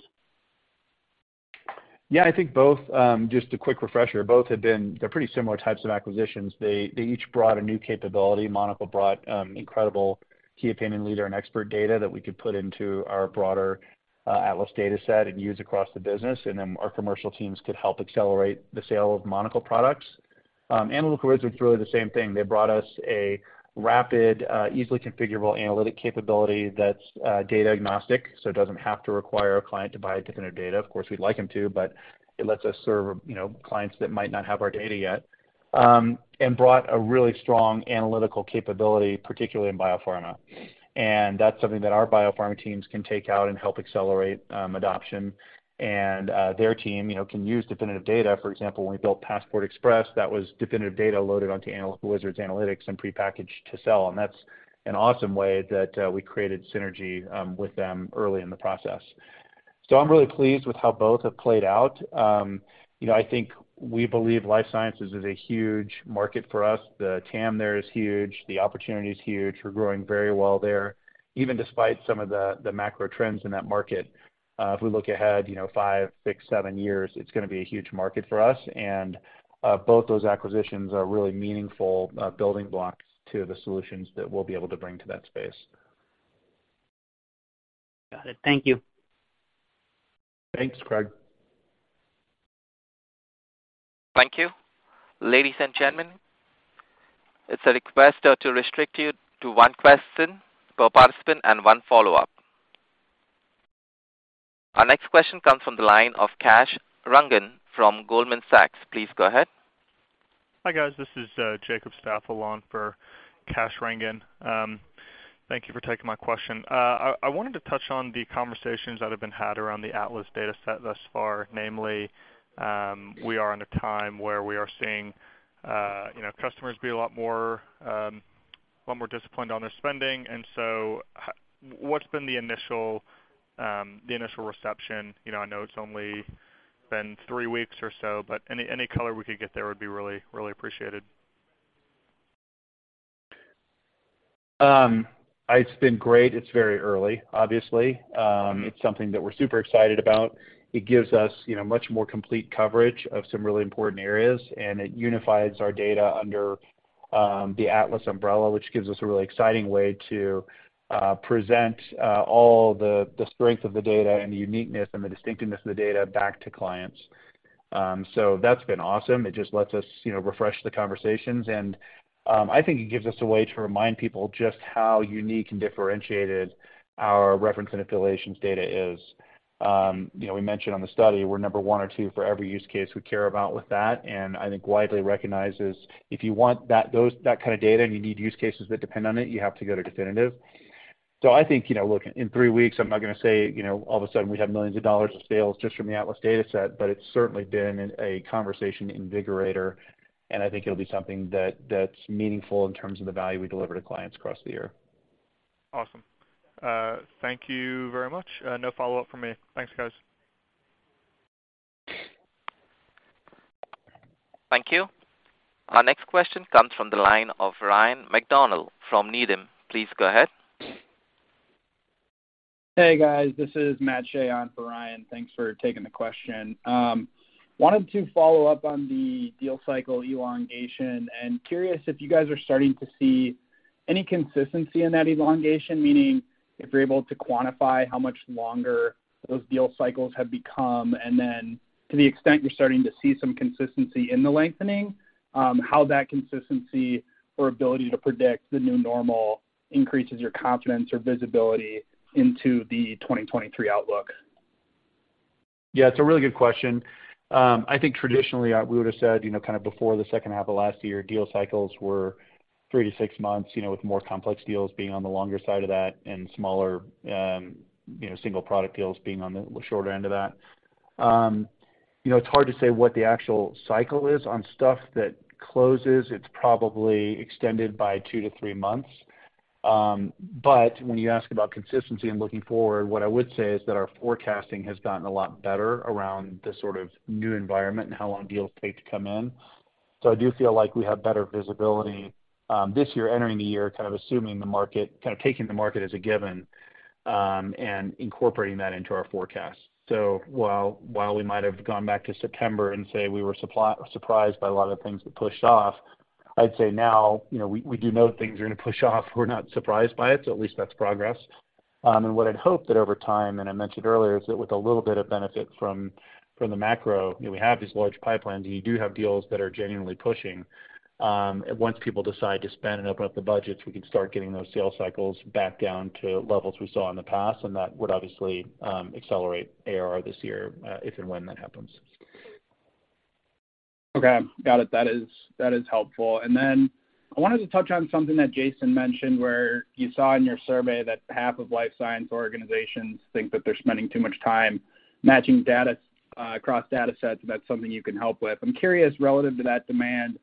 Yeah, I think both. Just a quick refresher, they're pretty similar types of acquisitions. They each brought a new capability. Monocl brought incredible key opinion leader and expert data that we could put into our broader Atlas Dataset and use across the business, and then our commercial teams could help accelerate the sale of Monocl products. Analytical Wizards was really the same thing. They brought us a rapid, easily configurable analytic capability that's data agnostic, so it doesn't have to require a client to buy Definitive data. Of course, we'd like them to, but it lets us serve, you know, clients that might not have our data yet. Brought a really strong analytical capability, particularly in biopharma. That's something that our biopharma teams can take out and help accelerate adoption. Their team, you know, can use Definitive data. For example, when we built Passport Express, that was Definitive data loaded onto Analytical Wizards' analytics and prepackaged to sell. That's an awesome way that we created synergy with them early in the process. I'm really pleased with how both have played out. You know, I think we believe life sciences is a huge market for us. The TAM there is huge. The opportunity is huge. We're growing very well there, even despite some of the macro trends in that market. If we look ahead, you know, five, six, seven years, it's gonna be a huge market for us. Both those acquisitions are really meaningful building blocks to the solutions that we'll be able to bring to that space. Got it. Thank you. Thanks, Craig. Thank you. Ladies and gentlemen, it's a request to restrict you to one question per participant and one follow-up. Our next question comes from the line of Kash Rangan from Goldman Sachs. Please go ahead. Hi, guys. This is Jacob Staffel on for Kash Rangan. Thank you for taking my question. I wanted to touch on the conversations that have been had around the Atlas Dataset thus far. Namely, we are in a time where we are seeing, you know, customers be a lot more, a lot more disciplined on their spending. What's been the initial, the initial reception? You know, I know it's only been three weeks or so. Any, any color we could get there would be really, really appreciated. It's been great. It's very early, obviously. It's something that we're super excited about. It gives us, you know, much more complete coverage of some really important areas, and it unifies our data under the Atlas umbrella, which gives us a really exciting way to present all the strength of the data and the uniqueness and the distinctiveness of the data back to clients. That's been awesome. It just lets us, you know, refresh the conversations. I think it gives us a way to remind people just how unique and differentiated our reference and affiliations data is. You know, we mentioned on the study we're number one or two for every use case we care about with that, I think widely recognized as if you want that kind of data and you need use cases that depend on it, you have to go to Definitive. I think, you know, look, in three weeks, I'm not gonna say, you know, all of a sudden we have millions of dollars of sales just from the Atlas Dataset, but it's certainly been a conversation invigorator, and I think it'll be something that's meaningful in terms of the value we deliver to clients across the year. Awesome. Thank you very much. No follow-up from me. Thanks, guys. Thank you. Our next question comes from the line of Ryan MacDonald from Needham. Please go ahead. Hey, guys, this is Matt Shea on for Ryan. Thanks for taking the question. Wanted to follow up on the deal cycle elongation. Curious if you guys are starting to see any consistency in that elongation, meaning if you're able to quantify how much longer those deal cycles have become. Then to the extent you're starting to see some consistency in the lengthening, how that consistency or ability to predict the new normal increases your confidence or visibility into the 2023 outlook. It's a really good question. I think traditionally we would have said, you know, kind of before the second half of last year, deal cycles were three-six months, you know, with more complex deals being on the longer side of that and smaller, you know, single product deals being on the shorter end of that. You know, it's hard to say what the actual cycle is on stuff that closes. It's probably extended by two to three months. When you ask about consistency and looking forward, what I would say is that our forecasting has gotten a lot better around the sort of new environment and how long deals take to come in. I do feel like we have better visibility this year, entering the year, kind of assuming the market, kind of taking the market as a given, and incorporating that into our forecast. While we might have gone back to September and say we were surprised by a lot of things that pushed off, I'd say now, you know, we do know things are gonna push off. We're not surprised by it, so at least that's progress. What I'd hope that over time, and I mentioned earlier, is that with a little bit of benefit from the macro, you know, we have these large pipelines, and you do have deals that are genuinely pushing. Once people decide to spend and open up the budgets, we can start getting those sales cycles back down to levels we saw in the past, and that would obviously, accelerate ARR this year, if and when that happens. Okay. Got it. That is, that is helpful. I wanted to touch on something that Jason mentioned, where you saw in your survey that half of life science organizations think that they're spending too much time matching data across data sets, and that's something you can help with. I'm curious, relative to that demand,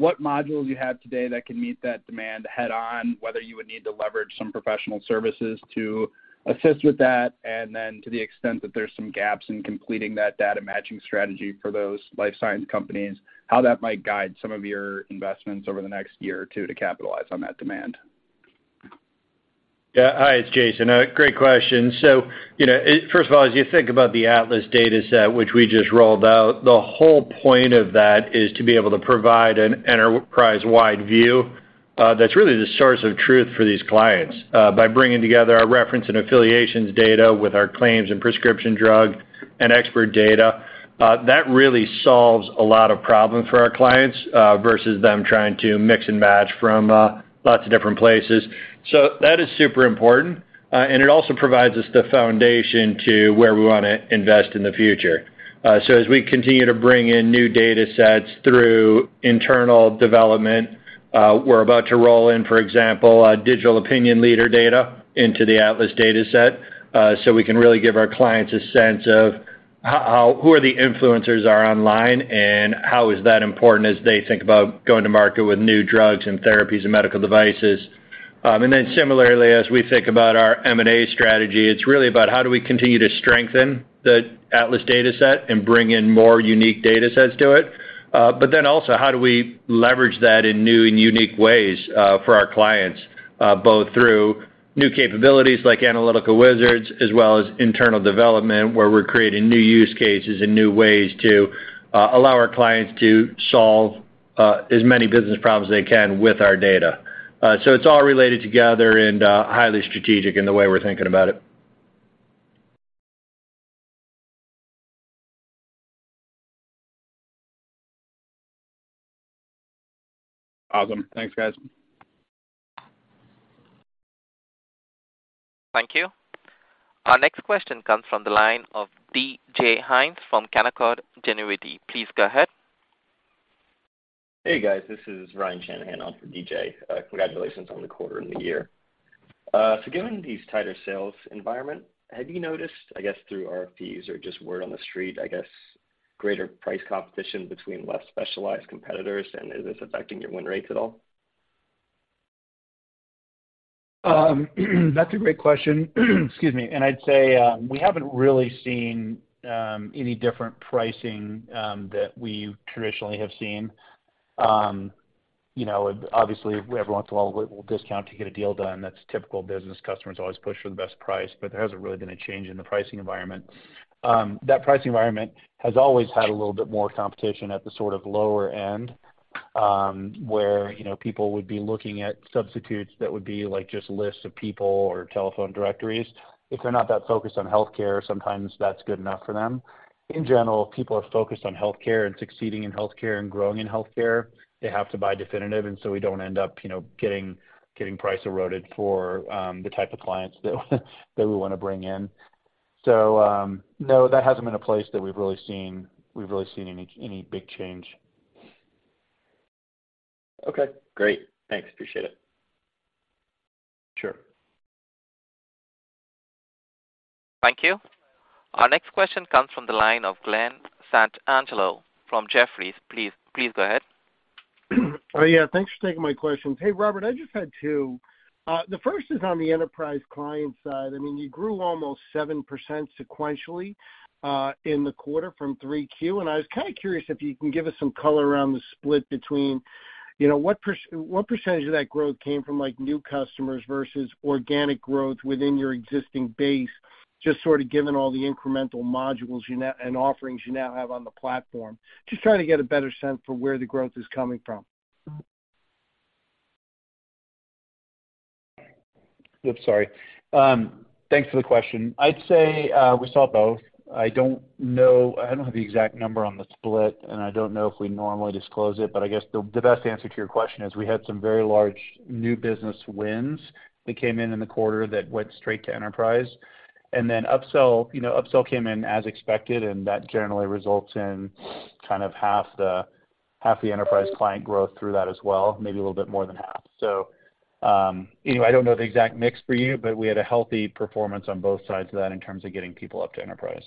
what modules you have today that can meet that demand head on, whether you would need to leverage some professional services to assist with that, and then to the extent that there's some gaps in completing that data matching strategy for those life science companies, how that might guide some of your investments over the next year or two to capitalize on that demand. Hi, it's Jason. Great question. you know, first of all, as you think about the Atlas Dataset, which we just rolled out, the whole point of that is to be able to provide an enterprise-wide view that's really the source of truth for these clients. by bringing together our reference and affiliations data with our claims and prescription drug and expert data, that really solves a lot of problems for our clients versus them trying to mix and match from lots of different places. That is super important, and it also provides us the foundation to where we wanna invest in the future. As we continue to bring in new datasets through internal development, we're about to roll in, for example, a digital opinion leader data into the Atlas Dataset, so we can really give our clients a sense of who are the influencers are online, and how is that important as they think about going to market with new drugs and therapies and medical devices. Similarly, as we think about our M&A strategy, it's really about how do we continue to strengthen the Atlas Dataset and bring in more unique data sets to it. Also how do we leverage that in new and unique ways for our clients, both through new capabilities like Analytical Wizards as well as internal development, where we're creating new use cases and new ways to allow our clients to solve as many business problems as they can with our data. It's all related together and highly strategic in the way we're thinking about it. Awesome. Thanks, guys. Thank you. Our next question comes from the line of D.J. Hynes from Canaccord Genuity. Please go ahead. Hey, guys. This is Ryan Shanahan on for D.J.. Congratulations on the quarter and the year. Given these tighter sales environment, have you noticed, I guess, through RFPs or just word on the street, I guess, greater price competition between less specialized competitors, and is this affecting your win rates at all? That's a great question. Excuse me. I'd say we haven't really seen any different pricing that we traditionally have seen. You know, obviously, every once in a while we'll discount to get a deal done. That's typical business. Customers always push for the best price, but there hasn't really been a change in the pricing environment. That pricing environment has always had a little bit more competition at the sort of lower end, where, you know, people would be looking at substitutes that would be like just lists of people or telephone directories. If they're not that focused on healthcare, sometimes that's good enough for them. In general, people are focused on healthcare and succeeding in healthcare and growing in healthcare. They have to buy Definitive, we don't end up, you know, getting price eroded for the type of clients that we wanna bring in. No, that hasn't been a place that we've really seen any big change. Okay, great. Thanks. Appreciate it. Sure. Thank you. Our next question comes from the line of Glen Santangelo from Jefferies. Please go ahead. Oh, yeah, thanks for taking my questions. Hey, Robert, I just had two. The first is on the enterprise client side. I mean, you grew almost 7% sequentially in the quarter from 3Q. I was kind of curious if you can give us some color around the split between, you know, what percentage of that growth came from, like, new customers versus organic growth within your existing base, just sort of given all the incremental modules and offerings you now have on the platform. Just trying to get a better sense for where the growth is coming from. Oops, sorry. Thanks for the question. I'd say, we saw both. I don't have the exact number on the split, and I don't know if we normally disclose it, but I guess the best answer to your question is we had some very large new business wins that came in in the quarter that went straight to enterprise. Upsell, you know, came in as expected, and that generally results in kind of half the enterprise client growth through that as well, maybe a little bit more than half. Anyway, I don't know the exact mix for you, but we had a healthy performance on both sides of that in terms of getting people up to enterprise.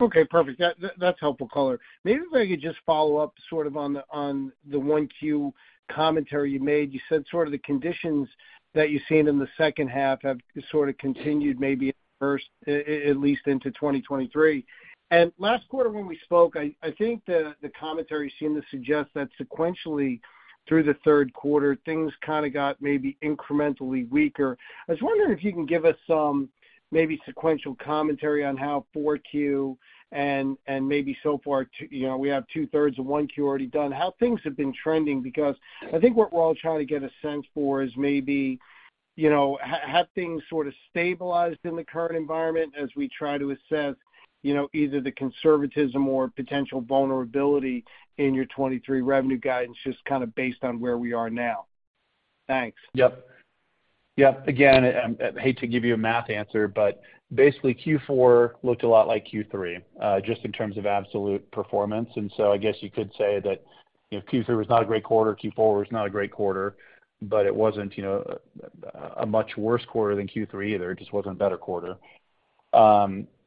Okay, perfect. That's helpful color. Maybe if I could just follow up sort of on the 1Q commentary you made. You said sort of the conditions that you're seeing in the second half have sort of continued maybe at least into 2023. Last quarter when we spoke, I think the commentary seemed to suggest that sequentially through the 3Q, things kinda got maybe incrementally weaker. I was wondering if you can give us some maybe sequential commentary on how 4Q and maybe so far, you know, we have 2/3 of 1Q already done, how things have been trending, because I think what we're all trying to get a sense for is maybe. You know, have things sort of stabilized in the current environment as we try to assess, you know, either the conservatism or potential vulnerability in your 2023 revenue guidance, just kind of based on where we are now? Thanks. Yep. Yep. Again, hate to give you a math answer, but basically Q4 looked a lot like Q3, just in terms of absolute performance. I guess you could say that, you know, Q3 was not a great quarter, Q4 was not a great quarter, but it wasn't, you know, a much worse quarter than Q3 either. It just wasn't a better quarter.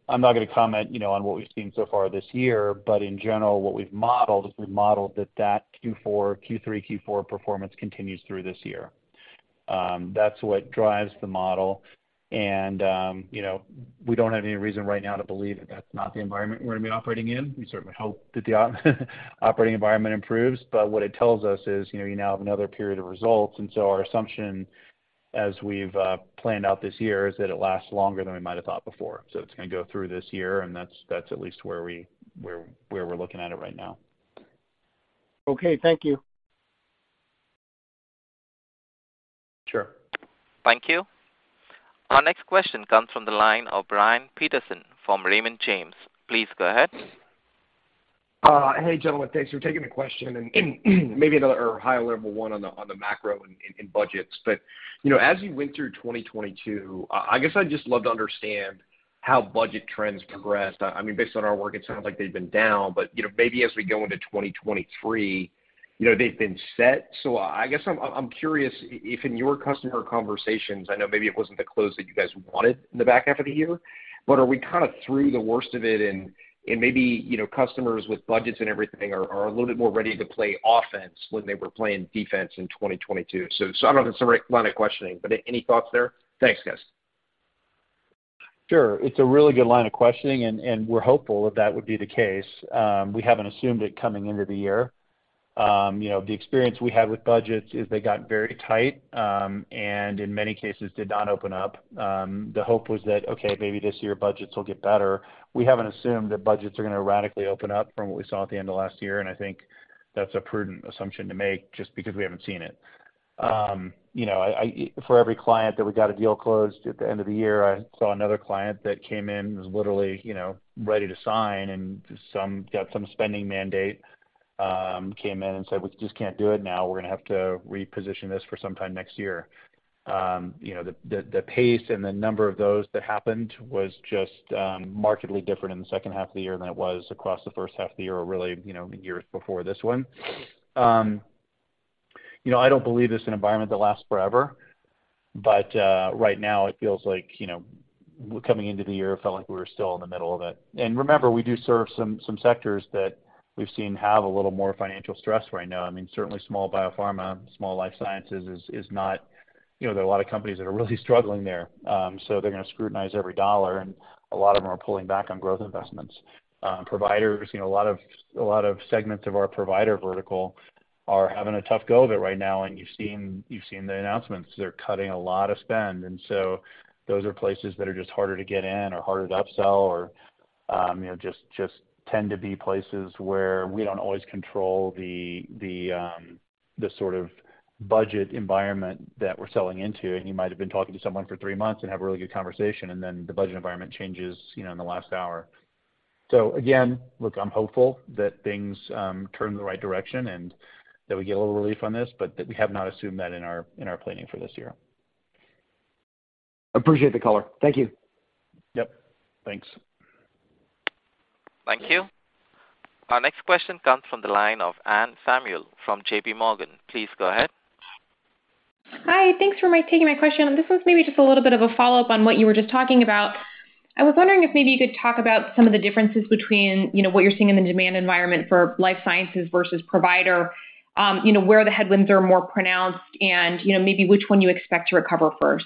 I'm not gonna comment, you know, on what we've seen so far this year, but in general, what we've modeled is we've modeled that that Q3, Q4 performance continues through this year. That's what drives the model. You know, we don't have any reason right now to believe that that's not the environment we're gonna be operating in. We certainly hope that the operating environment improves, but what it tells us is, you know, you now have another period of results. Our assumption as we've planned out this year is that it lasts longer than we might have thought before. It's gonna go through this year, and that's at least where we're looking at it right now. Okay, thank you. Sure. Thank you. Our next question comes from the line of Brian Peterson from Raymond James. Please go ahead. Hey, gentlemen. Thanks for taking the question. Maybe another higher level one on the macro in budgets. You know, as you went through 2022, I guess I'd just love to understand how budget trends progressed. I mean, based on our work, it sounds like they've been down, but, you know, maybe as we go into 2023, you know, they've been set. I guess I'm curious if in your customer conversations, I know maybe it wasn't the close that you guys wanted in the back half of the year, but are we kind of through the worst of it and maybe, you know, customers with budgets and everything are a little bit more ready to play offense when they were playing defense in 2022? I don't know if that's the right line of questioning, but any thoughts there? Thanks, guys. Sure. It's a really good line of questioning. We're hopeful that that would be the case. We haven't assumed it coming into the year. You know, the experience we had with budgets is they got very tight. In many cases did not open up. The hope was that, okay, maybe this year budgets will get better. We haven't assumed that budgets are gonna radically open up from what we saw at the end of last year. I think that's a prudent assumption to make just because we haven't seen it. You know, I for every client that we got a deal closed at the end of the year, I saw another client that came in, was literally, you know, ready to sign. Some got some spending mandate, came in and said, We just can't do it now. We're gonna have to reposition this for some time next year. You know, the pace and the number of those that happened was just markedly different in the second half of the year than it was across the first half of the year or really, you know, years before this one. You know, I don't believe it's an environment that lasts forever, but right now it feels like, you know, coming into the year, it felt like we were still in the middle of it. Remember, we do serve some sectors that we've seen have a little more financial stress right now. I mean, certainly small biopharma, small life sciences is not. You know, there are a lot of companies that are really struggling there. They're gonna scrutinize every dollar. A lot of them are pulling back on growth investments. Providers, you know, a lot of segments of our provider vertical are having a tough go of it right now. You've seen the announcements. They're cutting a lot of spend. Those are places that are just harder to get in or harder to upsell or, you know, just tend to be places where we don't always control the sort of budget environment that we're selling into. You might have been talking to someone for three months and have a really good conversation, and then the budget environment changes, you know, in the last hour. Again, look, I'm hopeful that things turn in the right direction and that we get a little relief on this, but we have not assumed that in our, in our planning for this year. Appreciate the color. Thank you. Yep. Thanks. Thank you. Our next question comes from the line of Anne Samuel from JPMorgan. Please go ahead. Hi. Thanks for taking my question. This was maybe just a little bit of a follow-up on what you were just talking about. I was wondering if maybe you could talk about some of the differences between, you know, what you're seeing in the demand environment for life sciences versus provider, you know, where the headwinds are more pronounced and, you know, maybe which one you expect to recover first?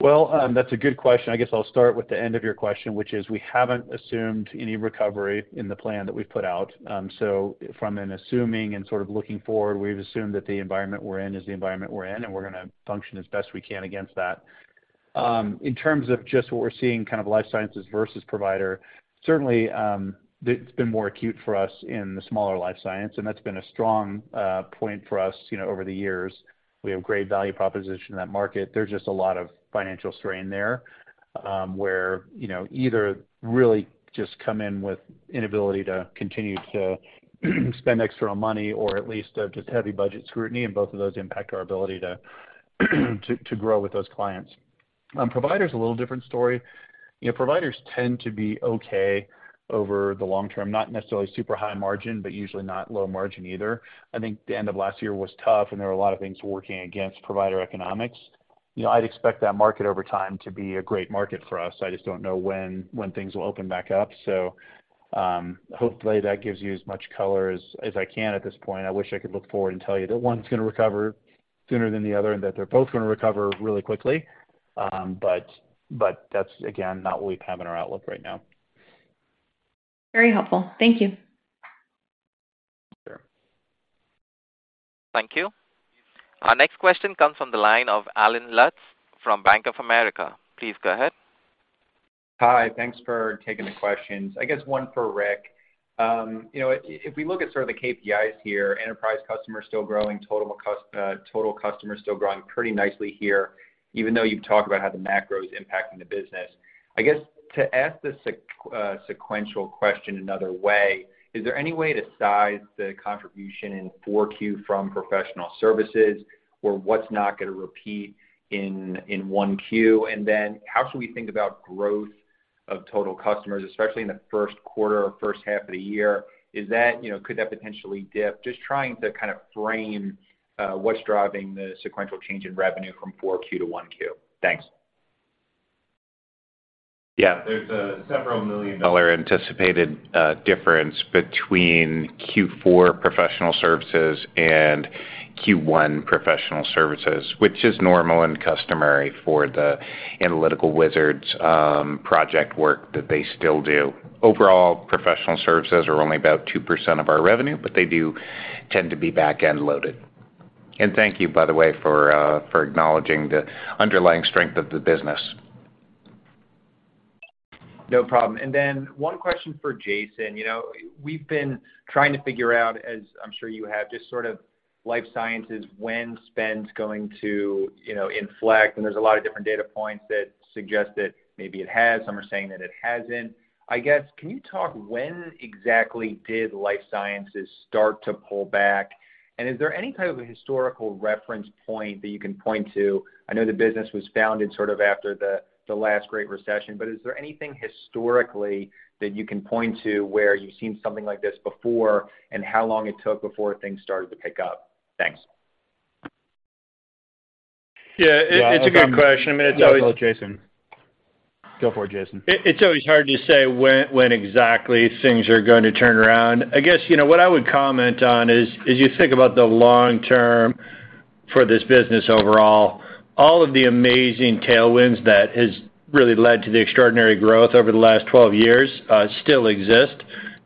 Well, that's a good question. I guess I'll start with the end of your question, which is we haven't assumed any recovery in the plan that we've put out. From an assuming and sort of looking forward, we've assumed that the environment we're in is the environment we're in, and we're gonna function as best we can against that. In terms of just what we're seeing, kind of life sciences versus provider, certainly, it's been more acute for us in the smaller life science, and that's been a strong point for us, you know, over the years. We have great value proposition in that market. There's just a lot of financial strain there, where, you know, either really just come in with inability to continue to spend extra money or at least, just heavy budget scrutiny. Both of those impact our ability to grow with those clients. Provider's a little different story. You know, providers tend to be okay over the long term. Not necessarily super high margin, but usually not low margin either. I think the end of last year was tough, and there were a lot of things working against provider economics. You know, I'd expect that market over time to be a great market for us. I just don't know when things will open back up. Hopefully that gives you as much color as I can at this point. I wish I could look forward and tell you that one's gonna recover sooner than the other and that they're both gonna recover really quickly. That's again, not what we have in our outlook right now. Very helpful. Thank you. Sure. Thank you. Our next question comes from the line of Allen Lutz from Bank of America. Please go ahead. Hi, thanks for taking the questions. I guess one for Rick. You know, if we look at sort of the KPIs here, enterprise customers still growing, total customers still growing pretty nicely here, even though you've talked about how the macro is impacting the business. I guess, to ask the sequential question another way, is there any way to size the contribution in 4Q from professional services or what's not gonna repeat in 1Q? How should we think about growth of total customers, especially in the first quarter or first half of the year? Is that, you know, could that potentially dip? Just trying to kind of frame what's driving the sequential change in revenue from 4Q to 1Q. Thanks. Yeah. There's a several million dollar anticipated difference between Q4 professional services and Q1 professional services, which is normal and customary for the Analytical Wizards project work that they still do. Overall, professional services are only about 2% of our revenue, but they do tend to be back-end loaded. Thank you, by the way, for acknowledging the underlying strength of the business. No problem. One question for Jason. You know, we've been trying to figure out, as I'm sure you have, just sort of life sciences, when spend's going to, you know, inflect, there's a lot of different data points that suggest that maybe it has. Some are saying that it hasn't. I guess, can you talk when exactly did life sciences start to pull back? Is there any type of a historical reference point that you can point to? I know the business was founded sort of after the last Great Recession, is there anything historically that you can point to where you've seen something like this before and how long it took before things started to pick up? Thanks. Yeah, it's a good question. I mean, it's always. Yeah, go ahead, Jason. Go for it, Jason. It's always hard to say when exactly things are going to turn around. I guess, you know, what I would comment on is, as you think about the long term for this business overall, all of the amazing tailwinds that has really led to the extraordinary growth over the last 12 years, still exist.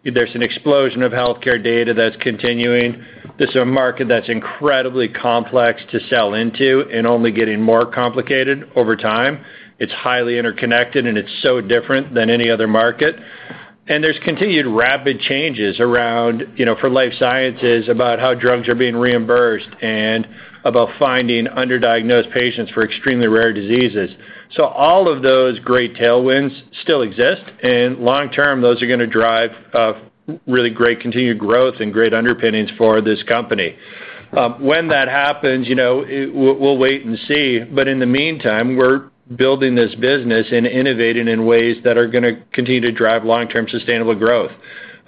There's an explosion of healthcare data that's continuing. This is a market that's incredibly complex to sell into and only getting more complicated over time. It's highly interconnected, it's so different than any other market. There's continued rapid changes around, you know, for life sciences about how drugs are being reimbursed and about finding underdiagnosed patients for extremely rare diseases. All of those great tailwinds still exist, and long term, those are gonna drive a really great continued growth and great underpinnings for this company. When that happens, you know, we'll wait and see. In the meantime, we're building this business and innovating in ways that are gonna continue to drive long-term sustainable growth.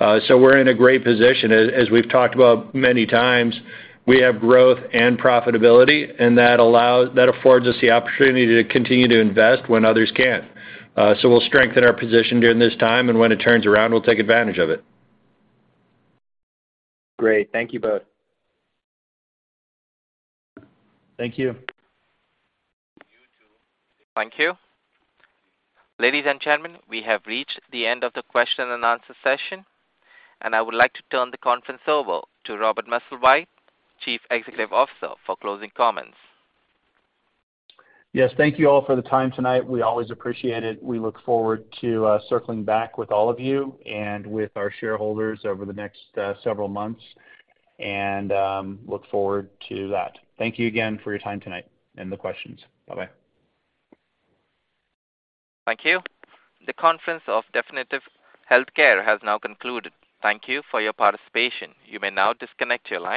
We're in a great position. As we've talked about many times, we have growth and profitability, and that affords us the opportunity to continue to invest when others can't. We'll strengthen our position during this time, and when it turns around, we'll take advantage of it. Great. Thank you both. Thank you. Thank you. Ladies and gentlemen, we have reached the end of the question and answer session. I would like to turn the conference over to Robert Musslewhite, Chief Executive Officer, for closing comments. Yes, thank you all for the time tonight. We always appreciate it. We look forward to circling back with all of you and with our shareholders over the next several months and look forward to that. Thank you again for your time tonight and the questions. Bye-bye. Thank you. The conference of Definitive Healthcare has now concluded. Thank you for your participation. You may now disconnect your line.